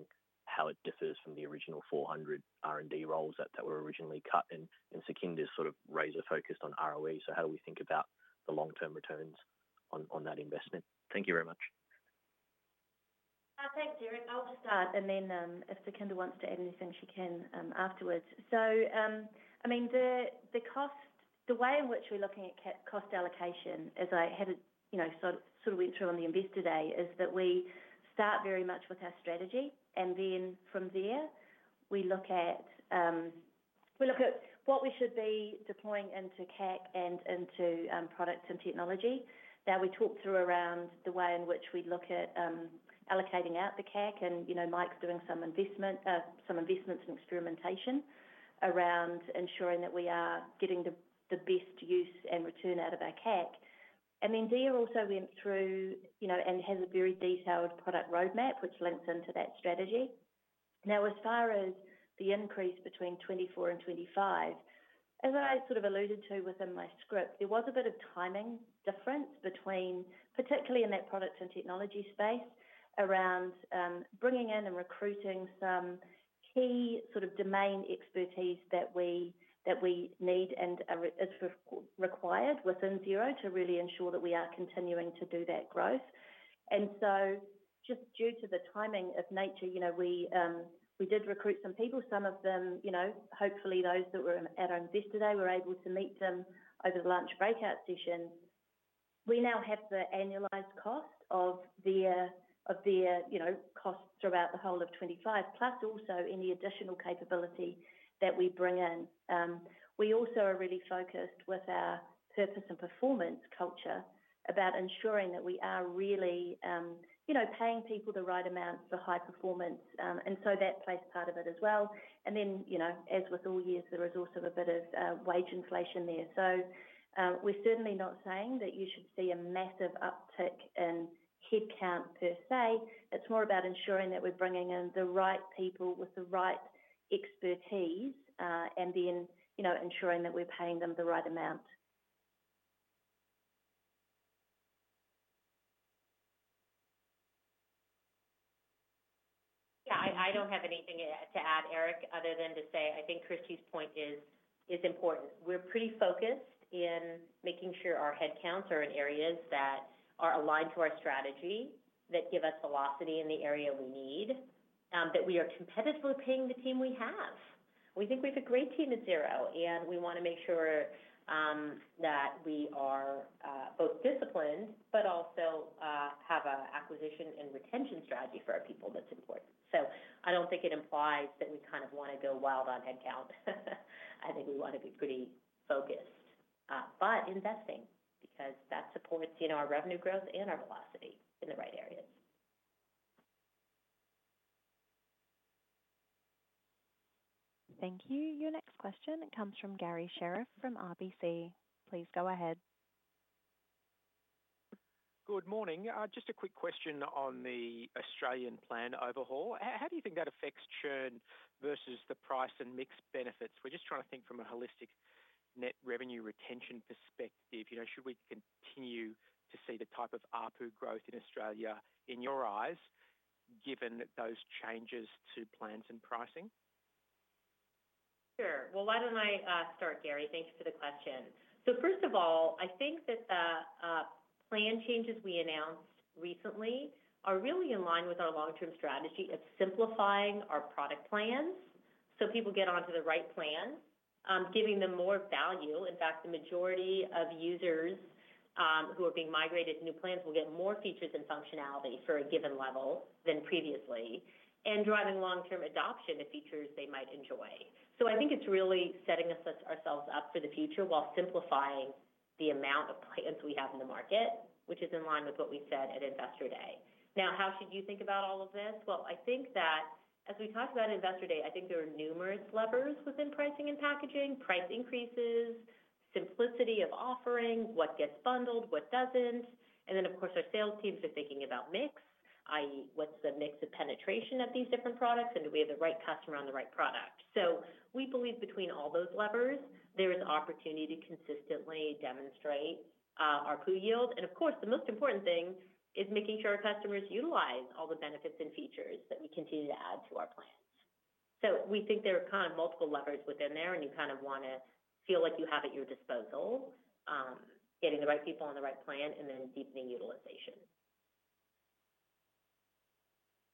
how it differs from the original 400 R&D roles that were originally cut and Sukhinder's sort of razor-focused on ROI. How do we think about the long-term returns on, on that investment? Thank you very much. Thanks, Eric. I'll start, and then, if Sukhinder wants to add anything, she can, afterwards. I mean, the cost, the way in which we're looking at cost allocation, as I had, you know, sort of went through on the Investor Day, is that we start very much with our strategy, and then from there, we look at what we should be deploying into CAC and into products and technology. Now, we talked through around the way in which we look at allocating out the CAC and, you know, Mike's doing some investments and experimentation around ensuring that we are getting the best use and return out of our CAC. And then Diya also went through, you know, and has a very detailed product roadmap, which links into that strategy. Now, as far as the increase between 2024 and 2025, as I sort of alluded to within my script, there was a bit of timing difference between, particularly in that product and technology space, around bringing in and recruiting some key sort of domain expertise that we need and are required within Xero to really ensure that we are continuing to do that growth. And so just due to the timing of nature, you know, we did recruit some people, some of them, you know, hopefully those that were at our Investor Day, were able to meet them over the lunch breakout session. We now have the annualized cost of their costs throughout the whole of 2025, plus also any additional capability that we bring in. We also are really focused with our purpose and performance culture, about ensuring that we are really, you know, paying people the right amounts for high performance. And so that plays part of it as well. And then, you know, as with all years, there is also a bit of, wage inflation there. So, we're certainly not saying that you should see a massive uptick in headcount per se. It's more about ensuring that we're bringing in the right people with the right expertise, and then, you know, ensuring that we're paying them the right amount. Yeah, I don't have anything, to add, Eric, other than to say I think Kirsty's point is important. We're pretty focused in making sure our headcounts are in areas that are aligned to our strategy, that give us velocity in the area we need, that we are competitively paying the team we have. We think we have a great team at Xero, and we wanna make sure that we are both disciplined but also have a acquisition and retention strategy for our people that's important. So I don't think it implies that we kind of wanna go wild on headcount. I think we wanna be pretty focused, but investing, because that supports, you know, our revenue growth and our velocity in the right areas. Thank you. Your next question comes from Garry Sherriff from RBC. Please go ahead. Good morning. Just a quick question on the Australian plan overhaul. How do you think that affects churn versus the price and mixed benefits? We're just trying to think from a holistic net revenue retention perspective. You know, should we continue to see the type of ARPU growth in Australia, in your eyes, given those changes to plans and pricing? Sure. Well, why don't I start, Gary? Thanks for the question. So first of all, I think that the plan changes we announced recently are really in line with our long-term strategy of simplifying our product plans, so people get onto the right plan, giving them more value. In fact, the majority of users who are being migrated to new plans will get more features and functionality for a given level than previously, and driving long-term adoption to features they might enjoy. So I think it's really setting us -ourselves up for the future while simplifying the amount of plans we have in the market, which is in line with what we said at Investor Day. Now, how should you think about all of this? Well, I think that as we talked about at Investor Day, I think there are numerous levers within pricing and packaging, price increases, simplicity of offerings, what gets bundled, what doesn't, and then, of course, our sales teams are thinking about mix, i.e., what's the mix of penetration of these different products, and do we have the right customer on the right product? So we believe between all those levers, there is opportunity to consistently demonstrate ARPU yield. And of course, the most important thing is making sure our customers utilize all the benefits and features that we continue to add to our plans. So we think there are kind of multiple levers within there, and you kind of wanna feel like you have at your disposal getting the right people on the right plan and then deepening utilization.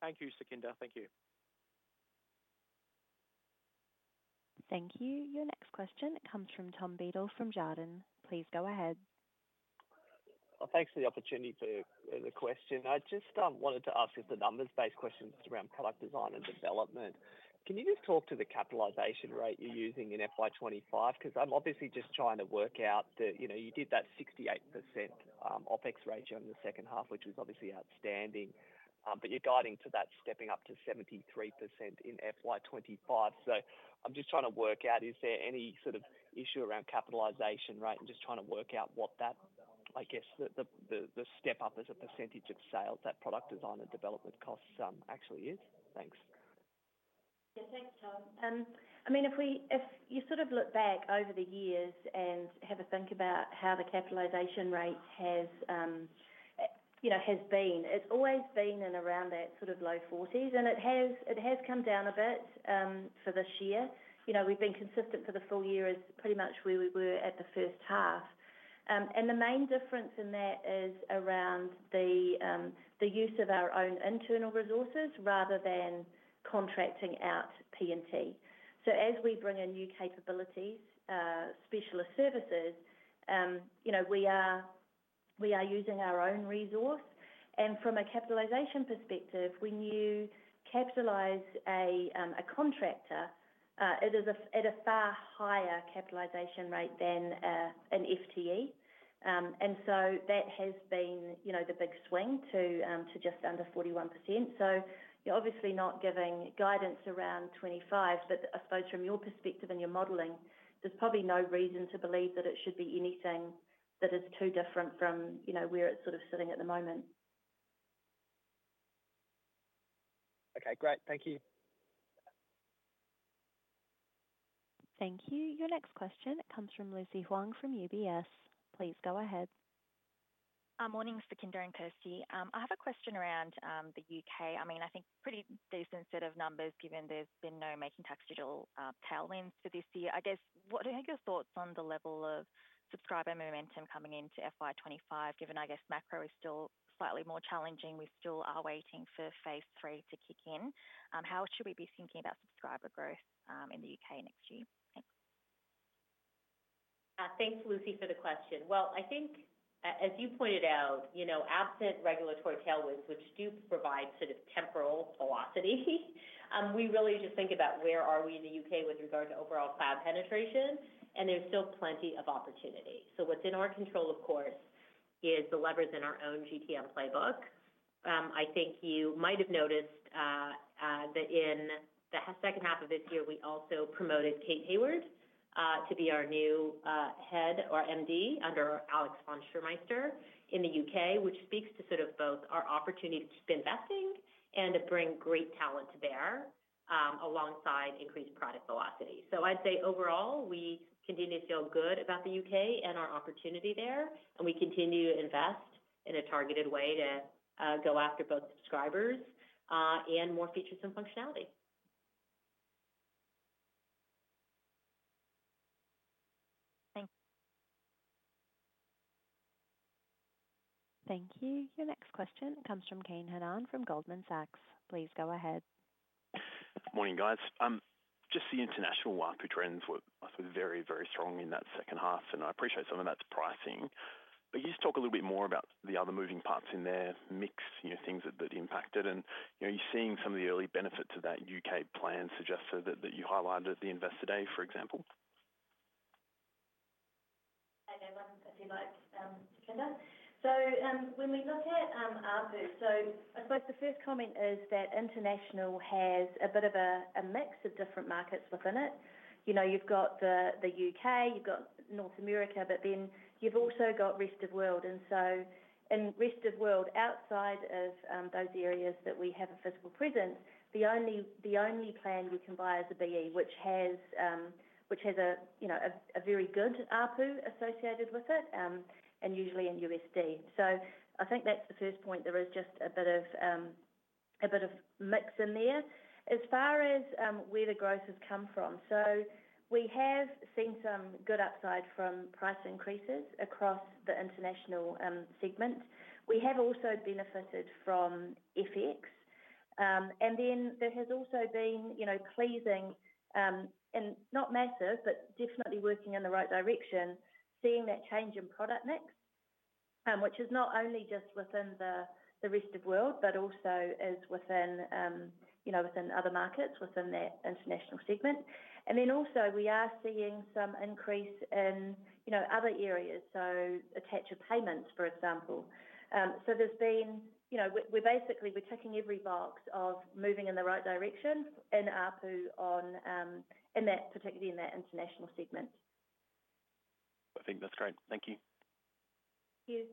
Thank you, Sukhinder. Thank you. Thank you. Your next question comes from Tom Beedle, from Jarden. Please go ahead. Well, thanks for the opportunity to the question. I just wanted to ask you the numbers-based questions around product design and development. Can you just talk to the capitalization rate you're using in FY 25? Because I'm obviously just trying to work out that, you know, you did that 68% OpEx ratio in the second half, which was obviously outstanding. But you're guiding to that stepping up to 73% in FY 25. So I'm just trying to work out: Is there any sort of issue around capitalization, right? And just trying to work out what that... I guess the step up as a percentage of sales, that product design and development costs actually is. Thanks. Yeah, thanks, Tom. I mean, if you sort of look back over the years and have a think about how the capitalization rate has, you know, has been, it's always been in around that sort of low forties, and it has, it has come down a bit, for this year. You know, we've been consistent for the full year as pretty much where we were at the first half. And the main difference in that is around the, the use of our own internal resources rather than contracting out P&T. So as we bring in new capabilities, specialist services, you know, we are, we are using our own resource. And from a capitalization perspective, when you capitalize a, a contractor, it is a, at a far higher capitalization rate than, an FTE. And so that has been, you know, the big swing to just under 41%. So you're obviously not giving guidance around 25, but I suppose from your perspective and your modeling, there's probably no reason to believe that it should be anything that is too different from, you know, where it's sort of sitting at the moment. Okay, great. Thank you. Thank you. Your next question comes from Lucy Huang, from UBS. Please go ahead. Morning, Sukhinder and Kirsty. I have a question around the U.K. I mean, I think pretty decent set of numbers, given there's been no Making Tax Digital tailwinds for this year. I guess, what are your thoughts on the level of subscriber momentum coming into FY 25, given, I guess, macro is still slightly more challenging, we still are waiting for phase III to kick in? How should we be thinking about subscriber growth in the U.K. next year? Thanks. Thanks, Lucy, for the question. Well, I think, as you pointed out, you know, absent regulatory tailwinds, which do provide sort of temporal velocity, we really just think about where are we in the U.K. with regard to overall cloud penetration, and there's still plenty of opportunity. So within our control, of course, is the levers in our own GTM playbook. I think you might have noticed, that in the second half of this year, we also promoted Kate Hayward to be our new head or MD under Alex von Schirmeister in the U.K., which speaks to sort of both our opportunity to keep investing and to bring great talent to bear, alongside increased product velocity. So I'd say overall, we continue to feel good about the U.K. and our opportunity there, and we continue to invest in a targeted way to go after both subscribers and more features and functionality. Thanks. Thank you. Your next question comes from Kane Hannan from Goldman Sachs. Please go ahead. Good morning, guys. Just the international ARPU trends were, I think, very, very strong in that second half, and I appreciate some of that's pricing. But can you just talk a little bit more about the other moving parts in there, mix, you know, things that, that impacted and, you know, are you seeing some of the early benefits of that UK plan suggested that, that you highlighted at the Investor Day, for example? Hi, everyone. If you'd like, Sukhinder. So, when we look at ARPU, so I suppose the first comment is that international has a bit of a mix of different markets within it. You know, you've got the U.K., you've got North America, but then you've also got Rest of world. And so in Rest of world, outside of those areas that we have a physical presence, the only plan we can buy is a BE, which has a you know a very good ARPU associated with it, and usually in USD. So I think that's the first point. There is just a bit of mix in there. As far as where the growth has come from, so we have seen some good upside from price increases across the International segment. We have also benefited from FX. And then there has also been, you know, pleasing, and not massive, but definitely working in the right direction, seeing that change in product mix, which is not only just within the, the Rest of world, but also is within, you know, within other markets, within that International segment. And then also, we are seeing some increase in, you know, other areas, so attach of payments, for example. So there's been... You know, we're basically, we're ticking every box of moving in the right direction in ARPU on, in that, particularly in that International segment. I think that's great. Thank you. Thank you.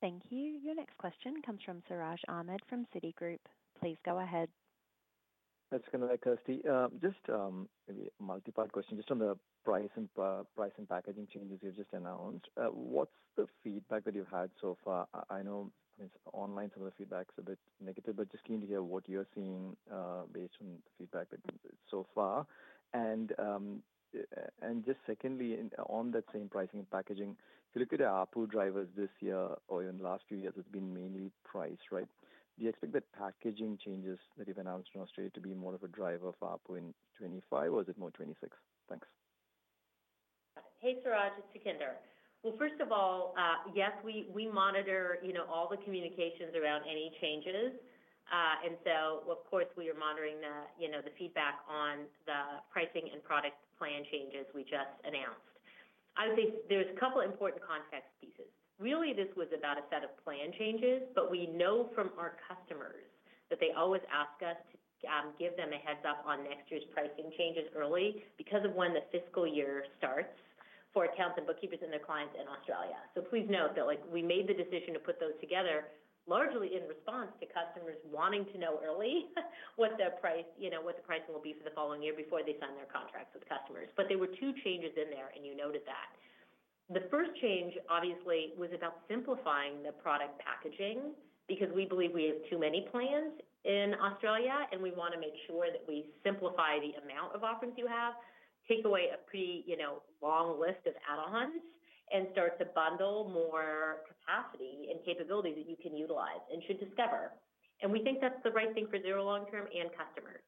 Thank you. Your next question comes from Siraj Ahmed from Citigroup. Please go ahead. That's good, Kirsty. Just maybe a multi-part question. Just on the price and packaging changes you've just announced, what's the feedback that you've had so far? I know it's online, some of the feedback is a bit negative, but just keen to hear what you're seeing based on the feedback that you've got so far. And just secondly, on that same pricing and packaging, if you look at the ARPU drivers this year or in the last few years, it's been mainly price, right? Do you expect the packaging changes that you've announced in Australia to be more of a driver of ARPU in 2025 or is it more 2026? Thanks. Hey, Siraj, it's Sukhinder. Well, first of all, yes, we monitor, you know, all the communications around any changes. And so of course, we are monitoring the, you know, the feedback on the pricing and product plan changes we just announced. I would say there's a couple important context pieces. Really, this was about a set of plan changes, but we know from our customers that they always ask us to, give them a heads up on next year's pricing changes early because of when the fiscal year starts for accountants and bookkeepers and their clients in Australia. So please note that, like, we made the decision to put those together largely in response to customers wanting to know early, what the price, you know, what the pricing will be for the following year before they sign their contracts with customers. But there were two changes in there, and you noted that. The first change, obviously, was about simplifying the product packaging, because we believe we have too many plans in Australia, and we want to make sure that we simplify the amount of offerings you have, take away a pretty, you know, long list of add-ons, and start to bundle more capacity and capabilities that you can utilize and should discover. And we think that's the right thing for Xero long term and customers.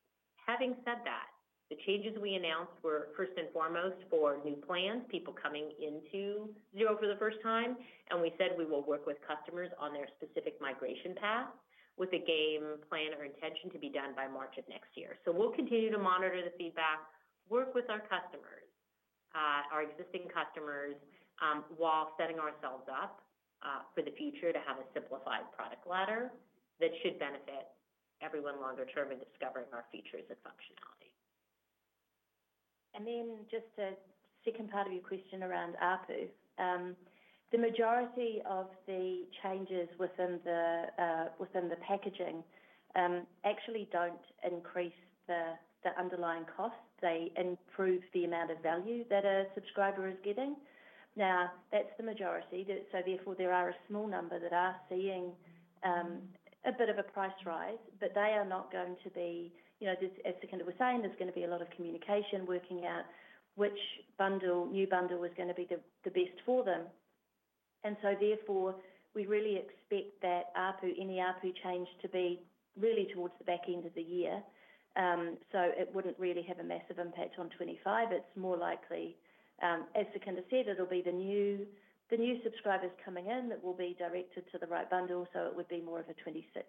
Having said that, the changes we announced were first and foremost for new plans, people coming into Xero for the first time, and we said we will work with customers on their specific migration path with a game plan or intention to be done by March of next year. So we'll continue to monitor the feedback, work with our customers, our existing customers, while setting ourselves up, for the future to have a simplified product ladder that should benefit everyone longer term in discovering our features and functionality. Then just a second part of your question around ARPU. The majority of the changes within the packaging actually don't increase the underlying cost. They improve the amount of value that a subscriber is getting. Now, that's the majority, so therefore, there are a small number that are seeing a bit of a price rise, but they are not going to be... You know, there's, as Sukhinder was saying, there's going to be a lot of communication working out which bundle, new bundle is going to be the, the best for them. And so therefore, we really expect that ARPU, any ARPU change to be really towards the back end of the year. So it wouldn't really have a massive impact on 25. It's more likely, as Sukhinder said, it'll be the new subscribers coming in that will be directed to the right bundle, so it would be more of a 2026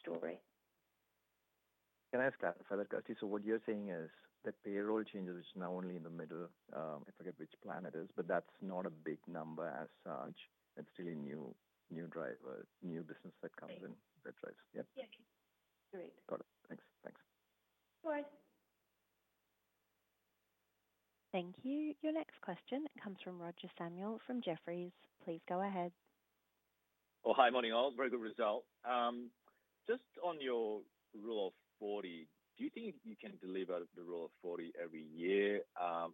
story. Can I ask further, Kirsty? So what you're saying is that payroll changes is now only in the middle, I forget which plan it is, but that's not a big number as such. It's really new, new drivers, new business that comes in- Right. -that drives. Yep. Yeah. Great. Got it. Thanks. All right. Thank you. Your next question comes from Roger Samuel, from Jefferies. Please go ahead. Oh, hi, morning all. Very good result. Just on your Rule of 40, do you think you can deliver the Rule of 40 every year?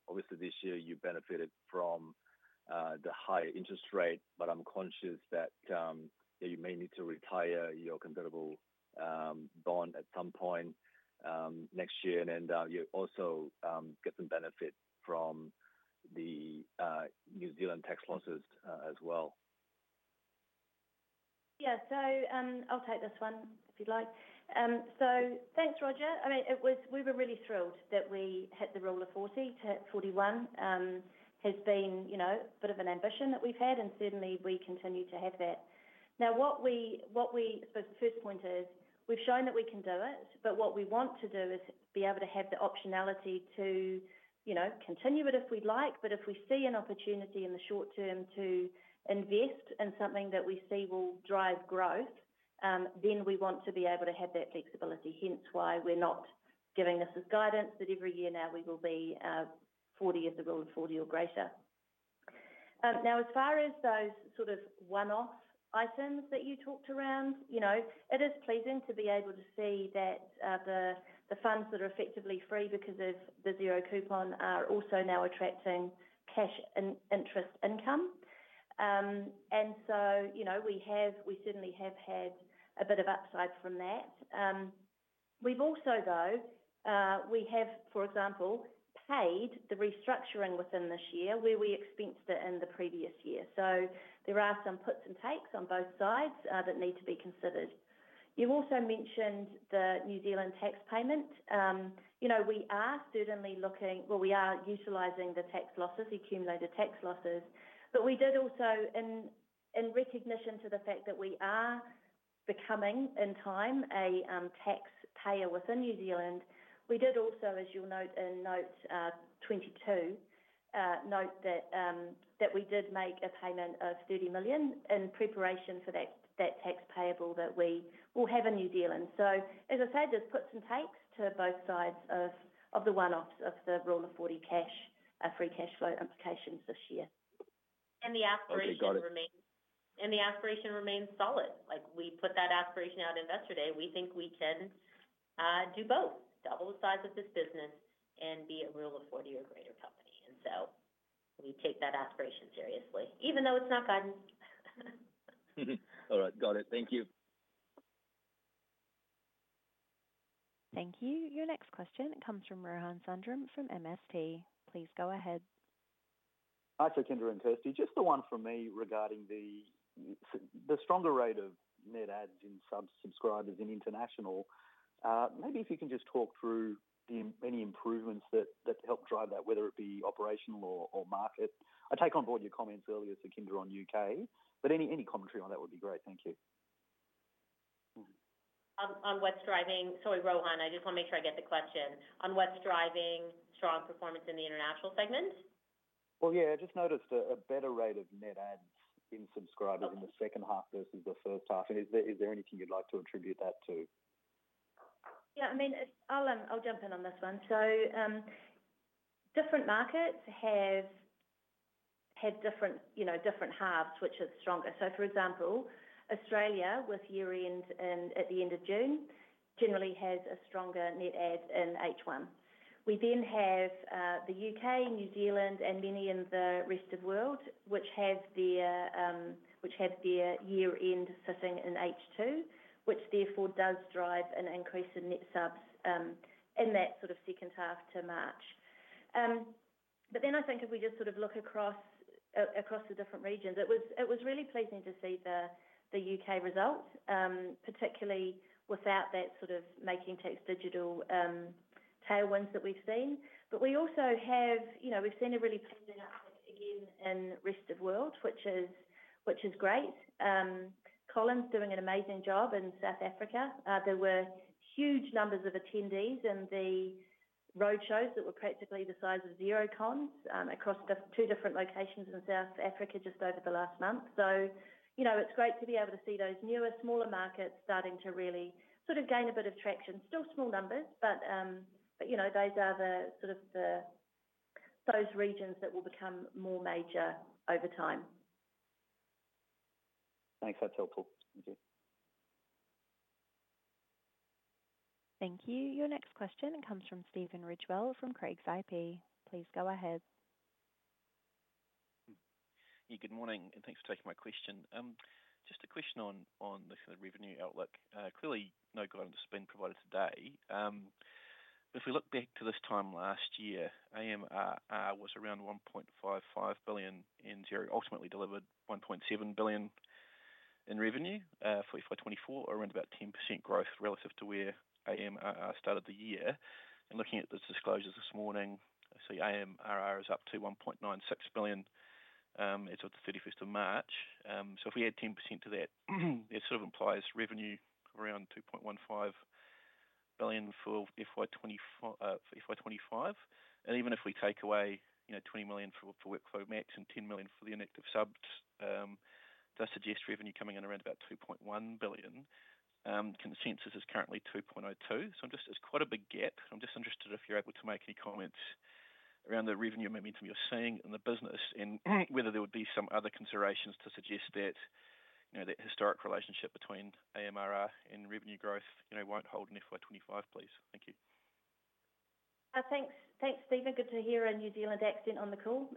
Obviously this year you benefited from the higher interest rate, but I'm conscious that you may need to retire your convertible bond at some point next year, and then you also get some benefit from the New Zealand tax losses as well. Yeah. So, I'll take this one, if you'd like. So thanks, Roger. I mean, it was, we were really thrilled that we hit the Rule of 40 to 41. Has been, you know, a bit of an ambition that we've had, and certainly we continue to have that. Now, what we... The first point is, we've shown that we can do it, but what we want to do is be able to have the optionality to, you know, continue it if we'd like. But if we see an opportunity in the short term to invest in something that we see will drive growth, then we want to be able to have that flexibility. Hence, why we're not giving this as guidance, that every year now, we will be, 40 as the Rule of 40 or greater. Now, as far as those sort of one-off items that you talked around, you know, it is pleasing to be able to see that the funds that are effectively free because of the zero-coupon are also now attracting cash interest income. And so, you know, we certainly have had a bit of upside from that. We've also, though, for example, paid the restructuring within this year, where we expensed it in the previous year. So there are some puts and takes on both sides that need to be considered. You also mentioned the New Zealand tax payment. You know, we are certainly looking. Well, we are utilizing the tax losses, accumulated tax losses. But we did also, in recognition to the fact that we are becoming, in time, a taxpayer within New Zealand, we did also, as you'll note in Note 22, note that we did make a payment of 30 million in preparation for that tax payable that we will have in New Zealand. So as I said, there's puts and takes to both sides of the one-offs, of the Rule of 40 cash free cash flow implications this year. The aspiration remains- Okay, got it. The aspiration remains solid. Like, we put that aspiration out Investor Day. We think we can do both: double the size of this business and be a Rule of 40 or greater company. So we take that aspiration seriously, even though it's not guidance. All right, got it. Thank you. Thank you. Your next question comes from Rohan Sundram, from MST. Please go ahead. Hi, Sukhinder and Kirsty. Just the one from me regarding the stronger rate of net adds in subscribers in international. Maybe if you can just talk through any improvements that helped drive that, whether it be operational or market. I take on board your comments earlier, Sukhinder, on UK, but any commentary on that would be great. Thank you. On what's driving... Sorry, Rohan, I just want to make sure I get the question. On what's driving strong performance in the International segment? Well, yeah, I just noticed a better rate of net adds in subscribers- Okay. -in the second half versus the first half. And is there anything you'd like to attribute that to? Yeah, I mean, it's... I'll jump in on this one. So, different markets have had different, you know, different halves, which is stronger. So, for example, Australia, with year-end in, at the end of June, generally has a stronger net add in H1. We then have the U.K., New Zealand, and many in the Rest of world, which have their year-end sitting in H2, which therefore does drive an increase in net subs in that sort of second half to March. But then I think if we just sort of look across across the different regions, it was really pleasing to see the U.K. results, particularly without that sort of Making Tax Digital tailwinds that we've seen. But we also have, you know, we've seen a really pleasing uptake again in Rest of world, which is great. Colin's doing an amazing job in South Africa. There were huge numbers of attendees in the roadshows that were practically the size of XeroCons, across the two different locations in South Africa, just over the last month. So, you know, it's great to be able to see those newer, smaller markets starting to really sort of gain a bit of traction. Still small numbers, but you know, those are the sort of the, those regions that will become more major over time. Thanks. That's helpful. Thank you. Thank you. Your next question comes from Stephen Ridgewell, from Craigs IP. Please go ahead. Yeah, good morning, and thanks for taking my question. Just a question on, on the sort of revenue outlook. Clearly, no guidance has been provided today. If we look back to this time last year, AMRR was around 1.55 billion in FY20, ultimately delivered 1.7 billion in revenue. FY24, around about 10% growth relative to where AMRR started the year. In looking at the disclosures this morning, I see AMRR is up to 1.96 billion, as of the March 31. So if we add 10% to that, it sort of implies revenue around 2.15 billion for FY 2024, FY 2025. And even if we take away, you know, 20 million for, for WorkflowMax and 10 million for the inactive subs, does suggest revenue coming in around about 2.1 billion. Consensus is currently 2.02 billion, so I'm just... It's quite a big gap. I'm just interested if you're able to make any comments around the revenue momentum you're seeing in the business, and whether there would be some other considerations to suggest that, you know, the historic relationship between AMRR and revenue growth, you know, won't hold in FY 2025, please. Thank you. Thanks, Stephen. Good to hear a New Zealand accent on the call.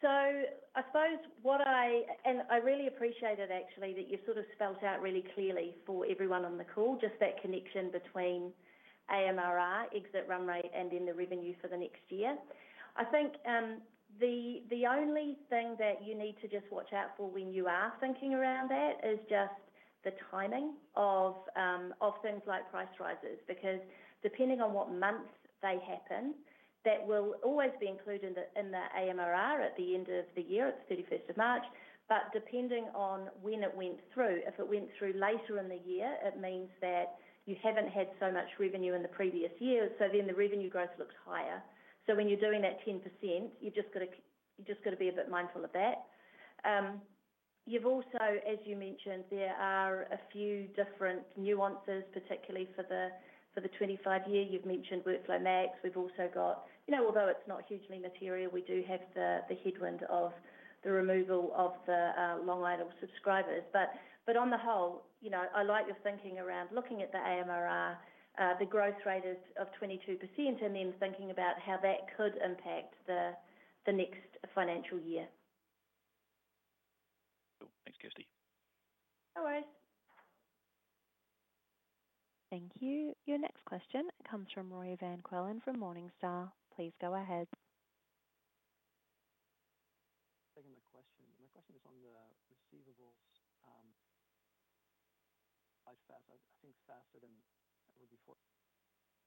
So I suppose. And I really appreciate it actually, that you sort of spelled out really clearly for everyone on the call, just that connection between AMRR, exit run rate, and then the revenue for the next year. I think, the only thing that you need to just watch out for when you are thinking around that, is just the timing of things like price rises. Because depending on what month they happen, that will always be included in the AMRR at the end of the year, it's March 31. But depending on when it went through, if it went through later in the year, it means that you haven't had so much revenue in the previous year, so then the revenue growth looks higher. So when you're doing that 10%, you've just got to, you've just got to be a bit mindful of that. You've also, as you mentioned, there are a few different nuances, particularly for the, for the 25 year. You've mentioned WorkflowMax. We've also got... You know, although it's not hugely material, we do have the, the headwind of the removal of the, long-idle subscribers. But, on the whole, you know, I like your thinking around looking at the AMRR, the growth rate is of 22%, and then thinking about how that could impact, the next financial year. Cool. Thanks, Kirsty. No worries. Thank you. Your next question comes from Roy van Keulen from Morningstar. Please go ahead. Second, the question. My question is on the receivables, quite fast, I think faster than it would be for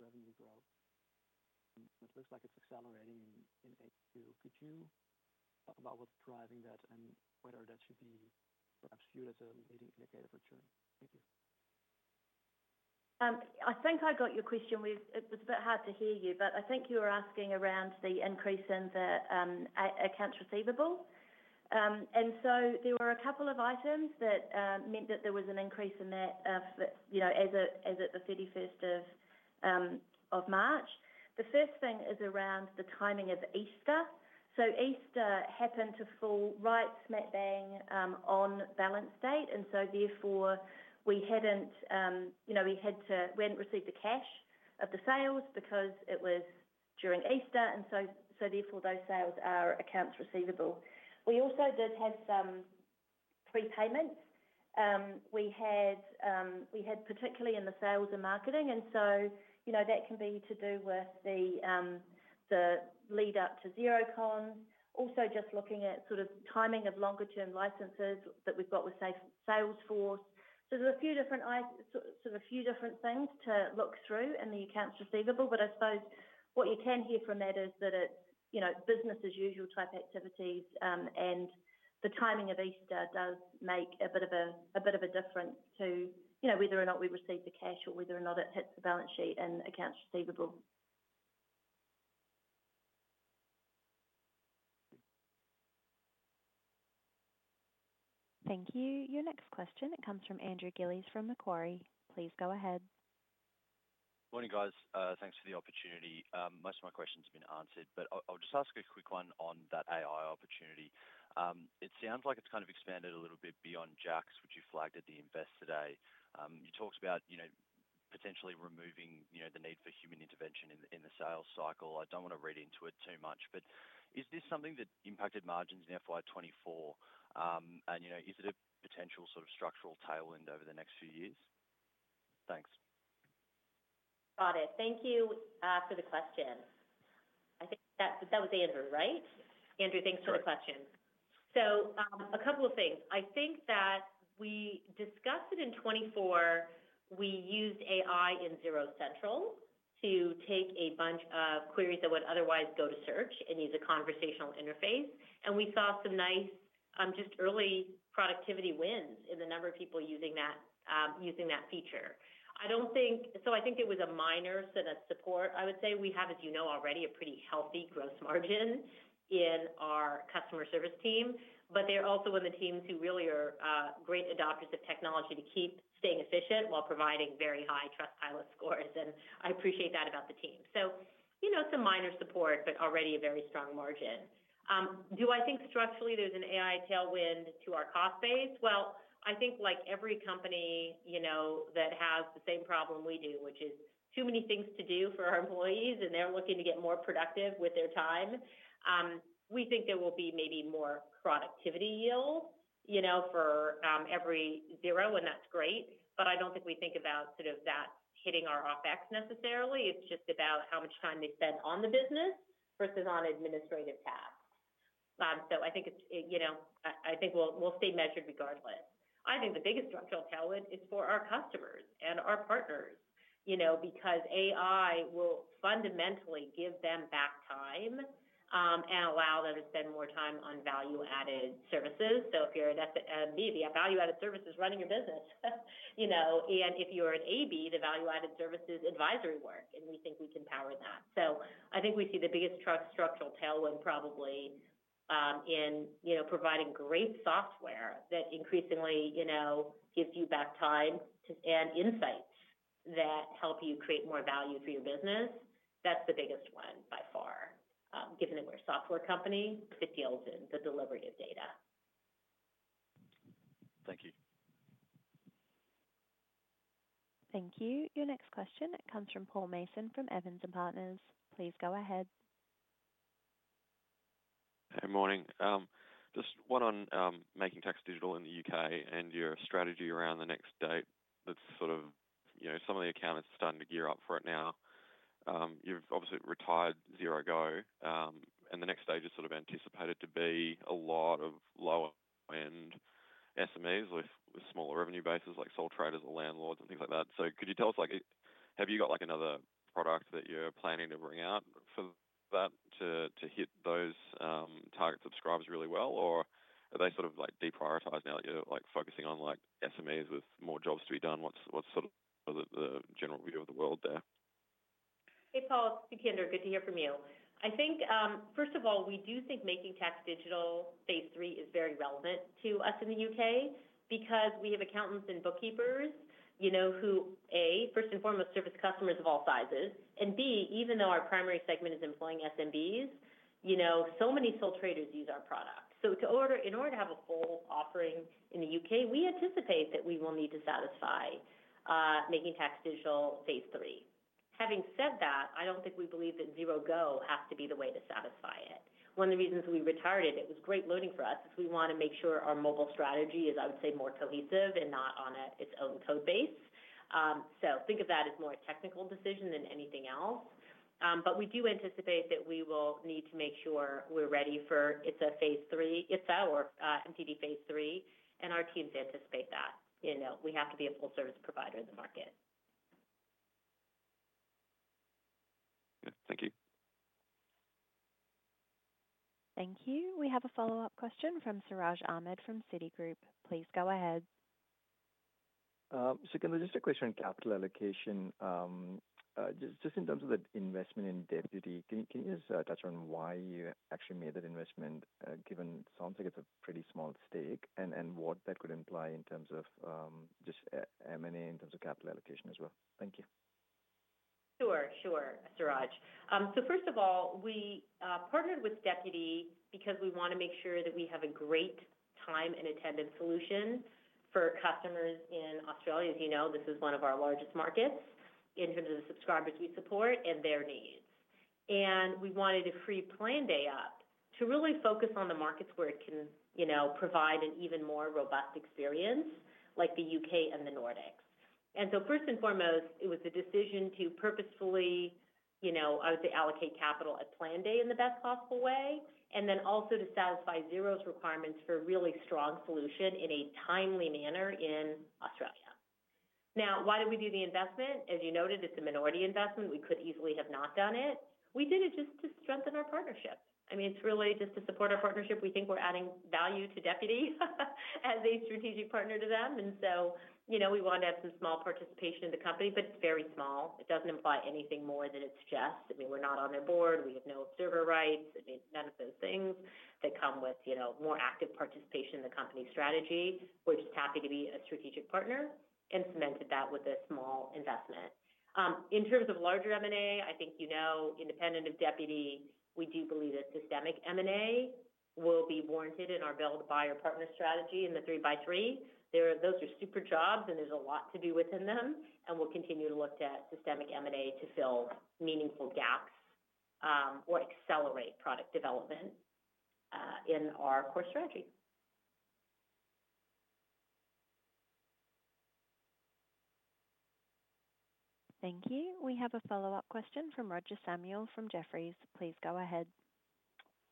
revenue growth. It looks like it's accelerating in HQ. Could you talk about what's driving that and whether that should be perhaps viewed as a leading indicator for churn? Thank you. I think I got your question. We've. It was a bit hard to hear you, but I think you were asking around the increase in the accounts receivable. And so there were a couple of items that meant that there was an increase in that, you know, as at the March 31. The first thing is around the timing of Easter. So Easter happened to fall right smack bang on balance date, and so therefore, we hadn't, you know, we hadn't received the cash of the sales because it was during Easter, and so therefore, those sales are accounts receivable. We also did have some prepayments. We had, we had particularly in the sales and marketing, and so, you know, that can be to do with the, the lead up to Xerocon. Also, just looking at sort of timing of longer-term licenses that we've got with, say, Salesforce. So there's a few different, so a few different things to look through in the accounts receivable, but I suppose what you can hear from that is that it, you know, business as usual type activities, and the timing of Easter does make a bit of a difference to, you know, whether or not we receive the cash or whether or not it hits the balance sheet in accounts receivable. Thank you. Your next question comes from Andrew Gillies, from Macquarie. Please go ahead. Morning, guys. Thanks for the opportunity. Most of my questions have been answered, but I'll just ask a quick one on that AI opportunity. It sounds like it's kind of expanded a little bit beyond JAX, which you flagged at the investor day. You talked about, you know, potentially removing, you know, the need for human intervention in the sales cycle. I don't want to read into it too much, but is this something that impacted margins in FY 2024? And, you know, is it a potential sort of structural tailwind over the next few years? Thanks. Got it. Thank you for the question. I think, that was Andrew, right? Andrew, thanks for the question. Correct. So, a couple of things. I think that we discussed it in 2024. We used AI in Xero Central to take a bunch of queries that would otherwise go to search and use a conversational interface. And we saw some nice, just early productivity wins in the number of people using that, feature. I don't think... So I think it was a minor set of support, I would say. We have, as you know already, a pretty healthy gross margin in our customer service team, but they're also in the teams who really are, great adopters of technology to keep staying efficient while providing very high Trustpilot scores, and I appreciate that about the team. So, you know, some minor support, but already a very strong margin. Do I think structurally there's an AI tailwind to our cost base? Well, I think like every company, you know, that has the same problem we do, which is too many things to do for our employees, and they're looking to get more productive with their time. We think there will be maybe more productivity yield, you know, for every Xero, and that's great, but I don't think we think about sort of that hitting our OpEx necessarily. It's just about how much time they spend on the business versus on administrative tasks. So I think it's, you know, I think we'll stay measured regardless. I think the biggest structural tailwind is for our customers and our partners, you know, because AI will fundamentally give them back time, and allow them to spend more time on value-added services. So if you're an SMB, the value-added service is running your business. You know, and if you're an AB, the value-added service is advisory work, and we think we can power that. So I think we see the biggest structural tailwind probably in, you know, providing great software that increasingly, you know, gives you back time to, and insights that help you create more value for your business, that's the biggest one by far. Given that we're a software company that deals in the delivery of data. Thank you. Thank you. Your next question comes from Paul Mason, from Evans and Partners. Please go ahead. Hey, morning. Just one on Making Tax Digital in the U.K. and your strategy around the next date. That's sort of, you know, some of the accountants are starting to gear up for it now. You've obviously retired Xero Go, and the next stage is sort of anticipated to be a lot of lower-end SMEs with smaller revenue bases, like sole traders or landlords and things like that. So could you tell us, like, have you got, like, another product that you're planning to bring out for that to hit those target subscribers really well? Or are they sort of, like, deprioritized now that you're, like, focusing on, like, SMEs with more jobs to be done? What's sort of the general view of the world there? Hey, Paul, it's Sukhinder. Good to hear from you. I think, first of all, we do think Making Tax Digital phase III is very relevant to us in the U.K. because we have accountants and bookkeepers, you know, who, A, first and foremost, service customers of all sizes, and B, even though our primary segment is employing SMBs, you know, so many sole traders use our product. So in order to have a whole offering in the U.K., we anticipate that we will need to satisfy Making Tax Digital phase III. Having said that, I don't think we believe that Xero Go has to be the way to satisfy it. One of the reasons we retired it, it was great learning for us, is we want to make sure our mobile strategy is, I would say, more cohesive and not on its own code base. So think of that as more a technical decision than anything else. But we do anticipate that we will need to make sure we're ready for it. It's a phase three, it's our MTD phase three, and our teams anticipate that. You know, we have to be a full service provider in the market. Yeah. Thank you. Thank you. We have a follow-up question from Siraj Ahmed from Citigroup. Please go ahead. Sukhinder, just a question on capital allocation. Just in terms of the investment in Deputy, can you just touch on why you actually made that investment, given sounds like it's a pretty small stake, and what that could imply in terms of M&A in terms of capital allocation as well? Thank you. Sure, Siraj. So first of all, we partnered with Deputy because we want to make sure that we have a great time and attendance solution for customers in Australia. As you know, this is one of our largest markets in terms of the subscribers we support and their needs. And we wanted a free Planday up to really focus on the markets where it can, you know, provide an even more robust experience, like the U.K. and the Nordics. And so first and foremost, it was a decision to purposefully, you know, I would say, allocate capital at Planday in the best possible way, and then also to satisfy Xero's requirements for a really strong solution in a timely manner in Australia. Now, why did we do the investment? As you noted, it's a minority investment. We could easily have not done it. We did it just to strengthen our partnership. I mean, it's really just to support our partnership. We think we're adding value to Deputy, as a strategic partner to them, and so, you know, we want to have some small participation in the company, but it's very small. It doesn't imply anything more than it's just. I mean, we're not on their board. We have no observer rights. I mean, none of those things that come with, you know, more active participation in the company's strategy. We're just happy to be a strategic partner and cemented that with a small investment. In terms of larger M&A, I think you know, independent of Deputy, we do believe that systemic M&A will be warranted in our build, buy or partner strategy in the 3x3. There are... Those are super jobs, and there's a lot to do within them, and we'll continue to look at systemic M&A to fill meaningful gaps, or accelerate product development, in our core strategy. Thank you. We have a follow-up question from Roger Samuel, from Jefferies. Please go ahead.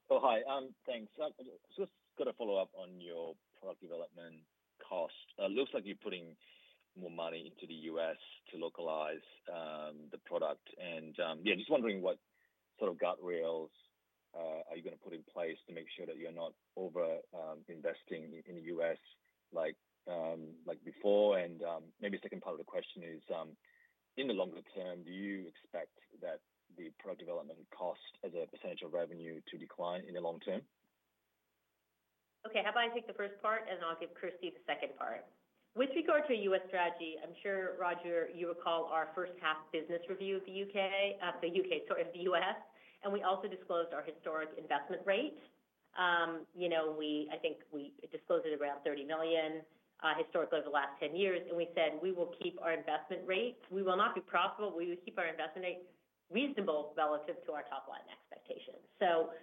Oh, hi. Thanks. Just gonna follow up on your product development cost. Looks like you're putting more money into the U.S. to localize the product. And, yeah, just wondering what sort of guardrails are you gonna put in place to make sure that you're not over investing in the U.S. like before? And, maybe second part of the question is, in the longer term, do you expect that the product development cost as a percentage of revenue to decline in the long term? Okay, how about I take the first part, and I'll give Kirsty the second part. With regard to a US strategy, I'm sure, Roger, you recall our first half business review of the U.K., sorry, of the US, and we also disclosed our historic investment rate. You know, I think we disclosed it around 30 million historically over the last 10 years, and we said we will keep our investment rate. We will not be profitable, we will keep our investment rate reasonable relative to our top line expectations. So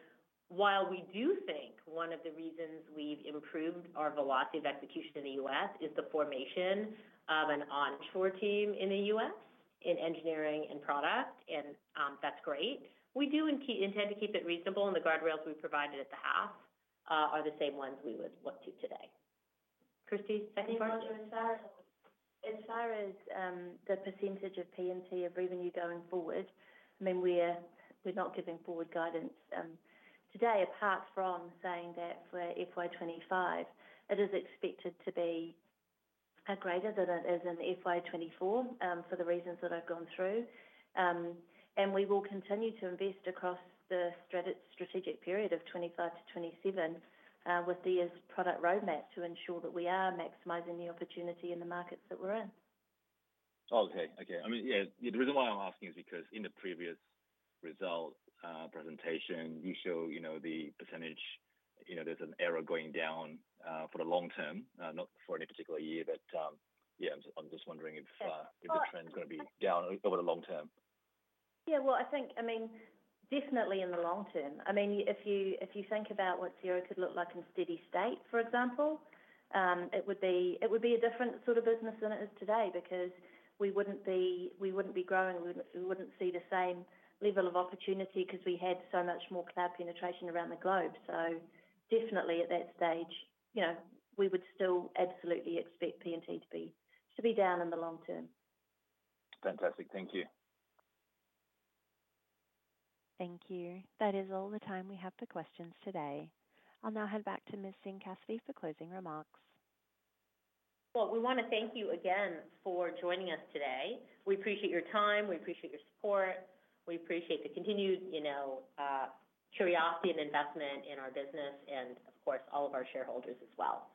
while we do think one of the reasons we've improved our velocity of execution in the U.S. is the formation of an onshore team in the U.S., in engineering and product, and, that's great, we do intend to keep it reasonable, and the guardrails we provided at the half are the same ones we would look to today. Kirsty, second part? Hey, Roger, as far as the percentage of P&T of revenue going forward, I mean, we're not giving forward guidance today, apart from saying that for FY 2025, it is expected to be greater than it is in FY 2024, for the reasons that I've gone through. And we will continue to invest across the strategic period of 2025-2027, with the year's product roadmap, to ensure that we are maximizing the opportunity in the markets that we're in. Okay. I mean, yeah, the reason why I'm asking is because in the previous result presentation, you show, you know, the percentage, you know, there's an error going down for the long term, not for any particular year. But, yeah, I'm just, I'm just wondering if, Uh-... the trend is gonna be down over the long term. Yeah, well, I think, I mean, definitely in the long term. I mean, if you think about what Xero could look like in steady state, for example, it would be a different sort of business than it is today because we wouldn't be growing, we wouldn't see the same level of opportunity 'cause we had so much more cloud penetration around the globe. So definitely at that stage, you know, we would still absolutely expect P&T to be down in the long term. Fantastic. Thank you. Thank you. That is all the time we have for questions today. I'll now head back to Ms. Singh Cassidy for closing remarks. Well, we want to thank you again for joining us today. We appreciate your time, we appreciate your support, we appreciate the continued, you know, curiosity and investment in our business and, of course, all of our shareholders as well.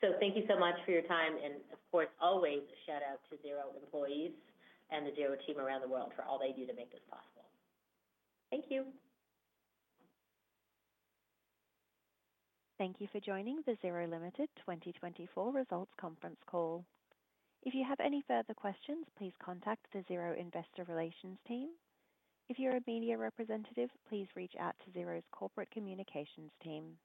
So thank you so much for your time, and of course, always a shout-out to Xero employees and the Xero team around the world for all they do to make this possible. Thank you. Thank you for joining the Xero Limited 2024 results conference call. If you have any further questions, please contact the Xero Investor Relations team. If you're a media representative, please reach out to Xero's Corporate Communications team.